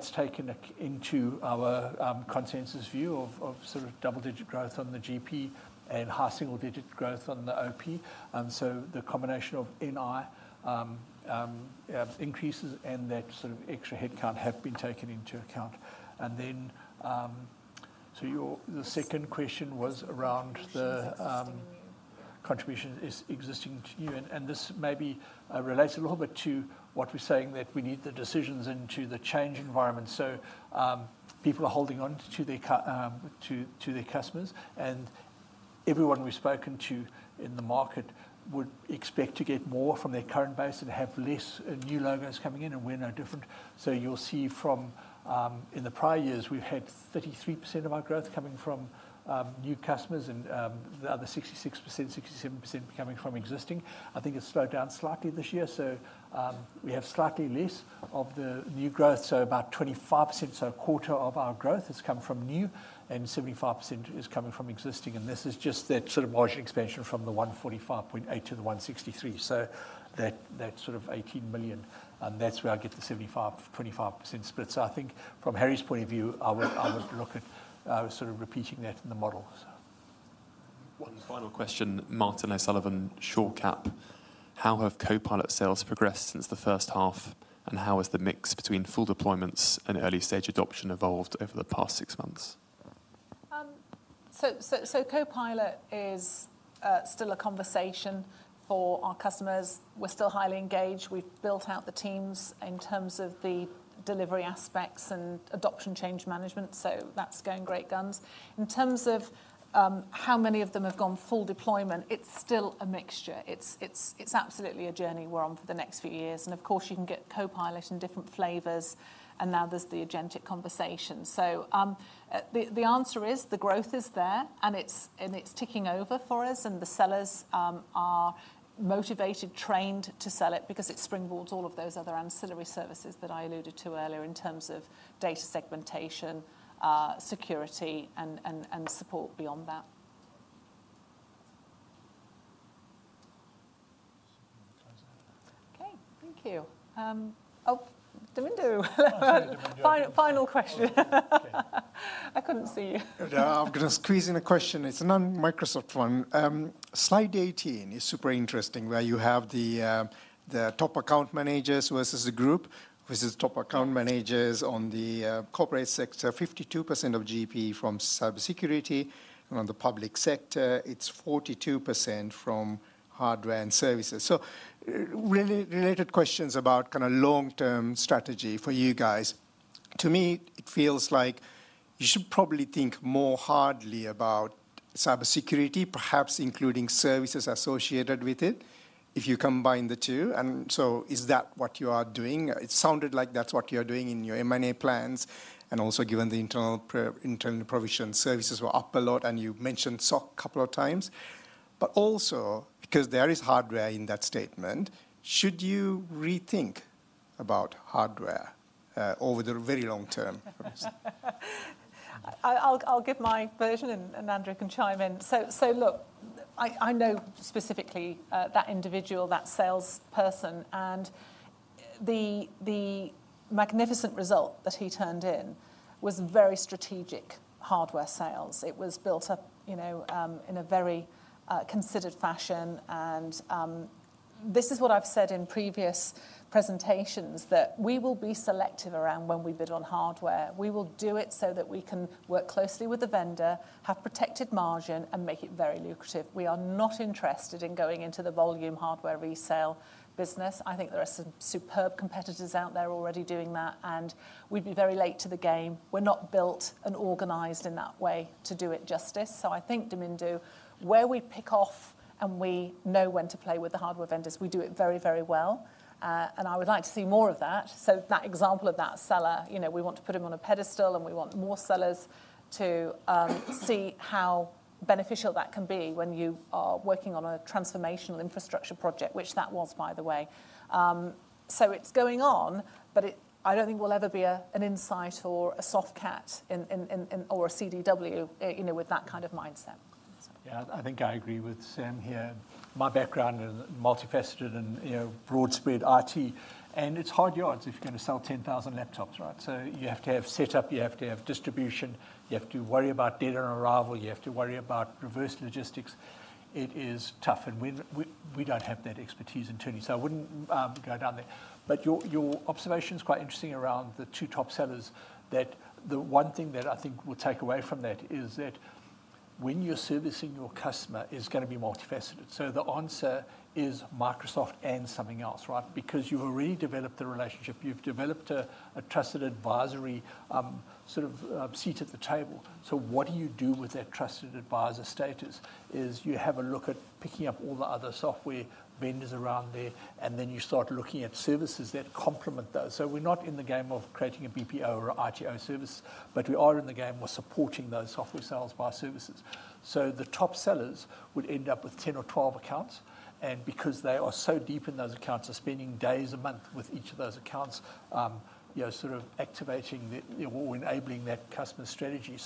is taken into our consensus view of sort of double-digit growth on the GP and high single-digit growth on the OP. The combination of NI increases and that sort of extra headcount have been taken into account. The second question was around the contributions existing to you. This maybe relates a little bit to what we are saying that we need the decisions into the change environment. People are holding on to their customers. Everyone we've spoken to in the market would expect to get more from their current base and have less new logos coming in, and we're no different. You'll see from in the prior years, we've had 33% of our growth coming from new customers and the other 66%-67% coming from existing. I think it's slowed down slightly this year. We have slightly less of the new growth. About 25%, so a quarter of our growth has come from new, and 75% is coming from existing. This is just that sort of margin expansion from 145.8 million to 163 million. That sort of 18 million. That's where I get the 75% split. I think from Harry's point of view, I would look at sort of repeating that in the model. One final question, Martin O'Sullivan, Shortcap. How have Copilot sales progressed since the first half? And how has the mix between full deployments and early-stage adoption evolved over the past six months? Copilot is still a conversation for our customers. We're still highly engaged. We've built out the teams in terms of the delivery aspects and adoption change management. That's going great guns. In terms of how many of them have gone full deployment, it's still a mixture. It's absolutely a journey we're on for the next few years. Of course, you can get Copilot in different flavors. Now there's the agentic conversation. The answer is the growth is there, and it's ticking over for us. The sellers are motivated, trained to sell it because it springboards all of those other ancillary services that I alluded to earlier in terms of data segmentation, security, and support beyond that. Okay. Thank you. Oh, Dimundu. Final question. I could not see you. I am going to squeeze in a question. It is a non-Microsoft one. Slide 18 is super interesting where you have the top account managers versus the group, which is top account managers on the corporate sector, 52% of GP from cybersecurity. On the public sector, it is 42% from hardware and services. Really related questions about kind of long-term strategy for you guys. To me, it feels like you should probably think more hard about cybersecurity, perhaps including services associated with it if you combine the two. Is that what you are doing? It sounded like that is what you are doing in your M&A plans. Also, given the internal provision services were up a lot, and you mentioned SOC a couple of times. But also because there is hardware in that statement, should you rethink about hardware over the very long term? I'll give my version, and Andrew can chime in. Look, I know specifically that individual, that salesperson. The magnificent result that he turned in was very strategic hardware sales. It was built up in a very considered fashion. This is what I've said in previous presentations, that we will be selective around when we bid on hardware. We will do it so that we can work closely with the vendor, have protected margin, and make it very lucrative. We are not interested in going into the volume hardware resale business. I think there are some superb competitors out there already doing that. We'd be very late to the game. We're not built and organized in that way to do it justice. I think, Dimundu, where we pick off and we know when to play with the hardware vendors, we do it very, very well. I would like to see more of that. That example of that seller, we want to put him on a pedestal, and we want more sellers to see how beneficial that can be when you are working on a transformational infrastructure project, which that was, by the way. It is going on, but I do not think we will ever be an Insight or a Softcat or a CDW with that kind of mindset. I think I agree with Sam here. My background is multifaceted and broad-spread IT. It is hard yards if you are going to sell 10,000 laptops, right? You have to have setup, you have to have distribution, you have to worry about data on arrival, you have to worry about reverse logistics. It is tough. We do not have that expertise internally. I would not go down there. Your observation is quite interesting around the two top sellers. The one thing that I think we will take away from that is that when you are servicing your customer, it is going to be multifaceted. The answer is Microsoft and something else, right? You have already developed the relationship. You have developed a trusted advisory sort of seat at the table. What do you do with that trusted advisor status? You have a look at picking up all the other software vendors around there, and then you start looking at services that complement those. We're not in the game of creating a BPO or ITO service, but we are in the game of supporting those software sales by services. The top sellers would end up with 10 or 12 accounts. Because they are so deep in those accounts, they're spending days a month with each of those accounts, sort of activating or enabling that customer strategy.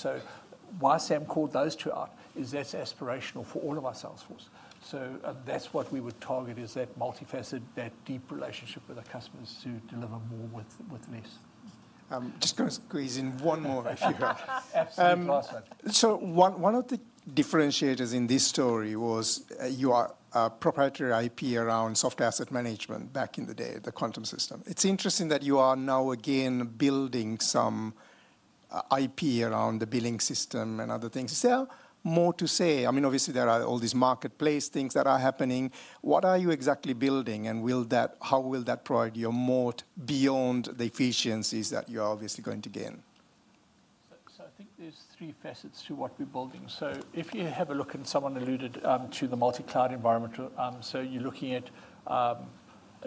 Why Sam called those two out is that's aspirational for all of our salesforce. That's what we would target, that multifaceted, that deep relationship with our customers to deliver more with less. Just going to squeeze in one more if you have. Absolutely. One of the differentiators in this story was your proprietary IP around software asset management back in the day, the quantum system. It's interesting that you are now again building some IP around the billing system and other things. Is there more to say? I mean, obviously, there are all these marketplace things that are happening. What are you exactly building? And how will that provide you more beyond the efficiencies that you're obviously going to gain? I think there's three facets to what we're building. If you have a look and someone alluded to the multi-cloud environment. You're looking at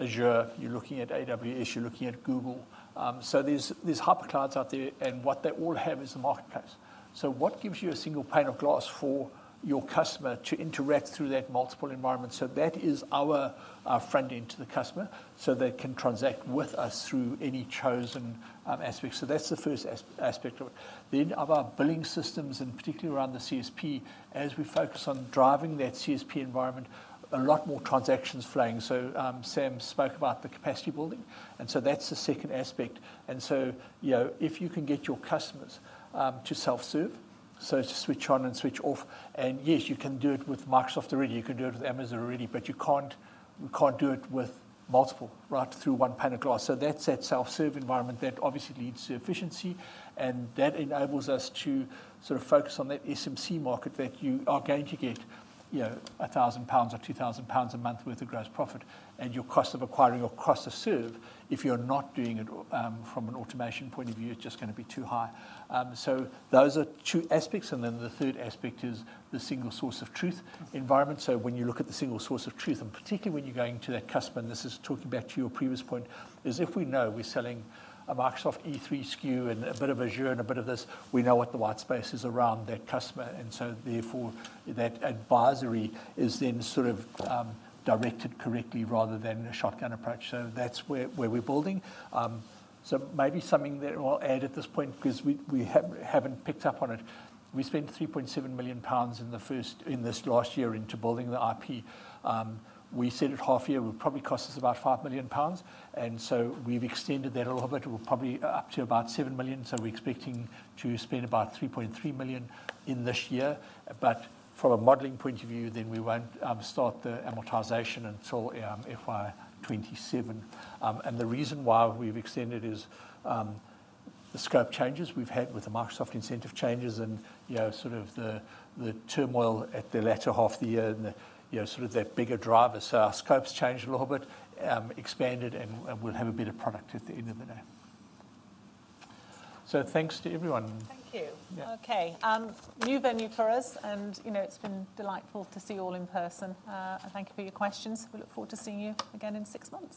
Azure, you're looking at AWS, you're looking at Google. There's hyperclouds out there, and what they all have is the marketplace. What gives you a single pane of glass for your customer to interact through that multiple environment? That is our front end to the customer so they can transact with us through any chosen aspect. That's the first aspect of it. Of our billing systems, and particularly around the CSP, as we focus on driving that CSP environment, a lot more transactions flowing. Sam spoke about the capacity building. That is the second aspect. If you can get your customers to self-serve, to switch on and switch off. Yes, you can do it with Microsoft already. You can do it with Amazon already, but you cannot do it with multiple through one pane of glass. That self-serve environment obviously leads to efficiency. That enables us to sort of focus on that SMC market that you are going to get 1,000 pounds or 2,000 pounds a month worth of gross profit. Your cost of acquiring or cost of serve, if you are not doing it from an automation point of view, is just going to be too high. Those are two aspects. The third aspect is the single source of truth environment. When you look at the single source of truth, and particularly when you are going to that customer, and this is talking back to your previous point, if we know we are selling a Microsoft E3 SKU and a bit of Azure and a bit of this, we know what the white space is around that customer. Therefore, that advisory is then sort of directed correctly rather than a shotgun approach. That is where we are building. Maybe something that I will add at this point because we have not picked up on it. We spent 3.7 million pounds in this last year into building the IP. We said at half year, it would probably cost us about 5 million pounds. We have extended that a little bit. We are probably up to about 7 million. We are expecting to spend about 3.3 million in this year. From a modeling point of view, we will not start the amortization until fiscal year 2027. The reason why we have extended is the scope changes we have had with the Microsoft incentive changes and the turmoil at the latter half of the year and that bigger driver. Our scope has changed a little bit, expanded, and we will havea better product at the end of the day. Thanks to everyone. Thank you. Okay. New venue for us. It has been delightful to see you all in person. Thank you for your questions. We look forward to seeing you again in six months.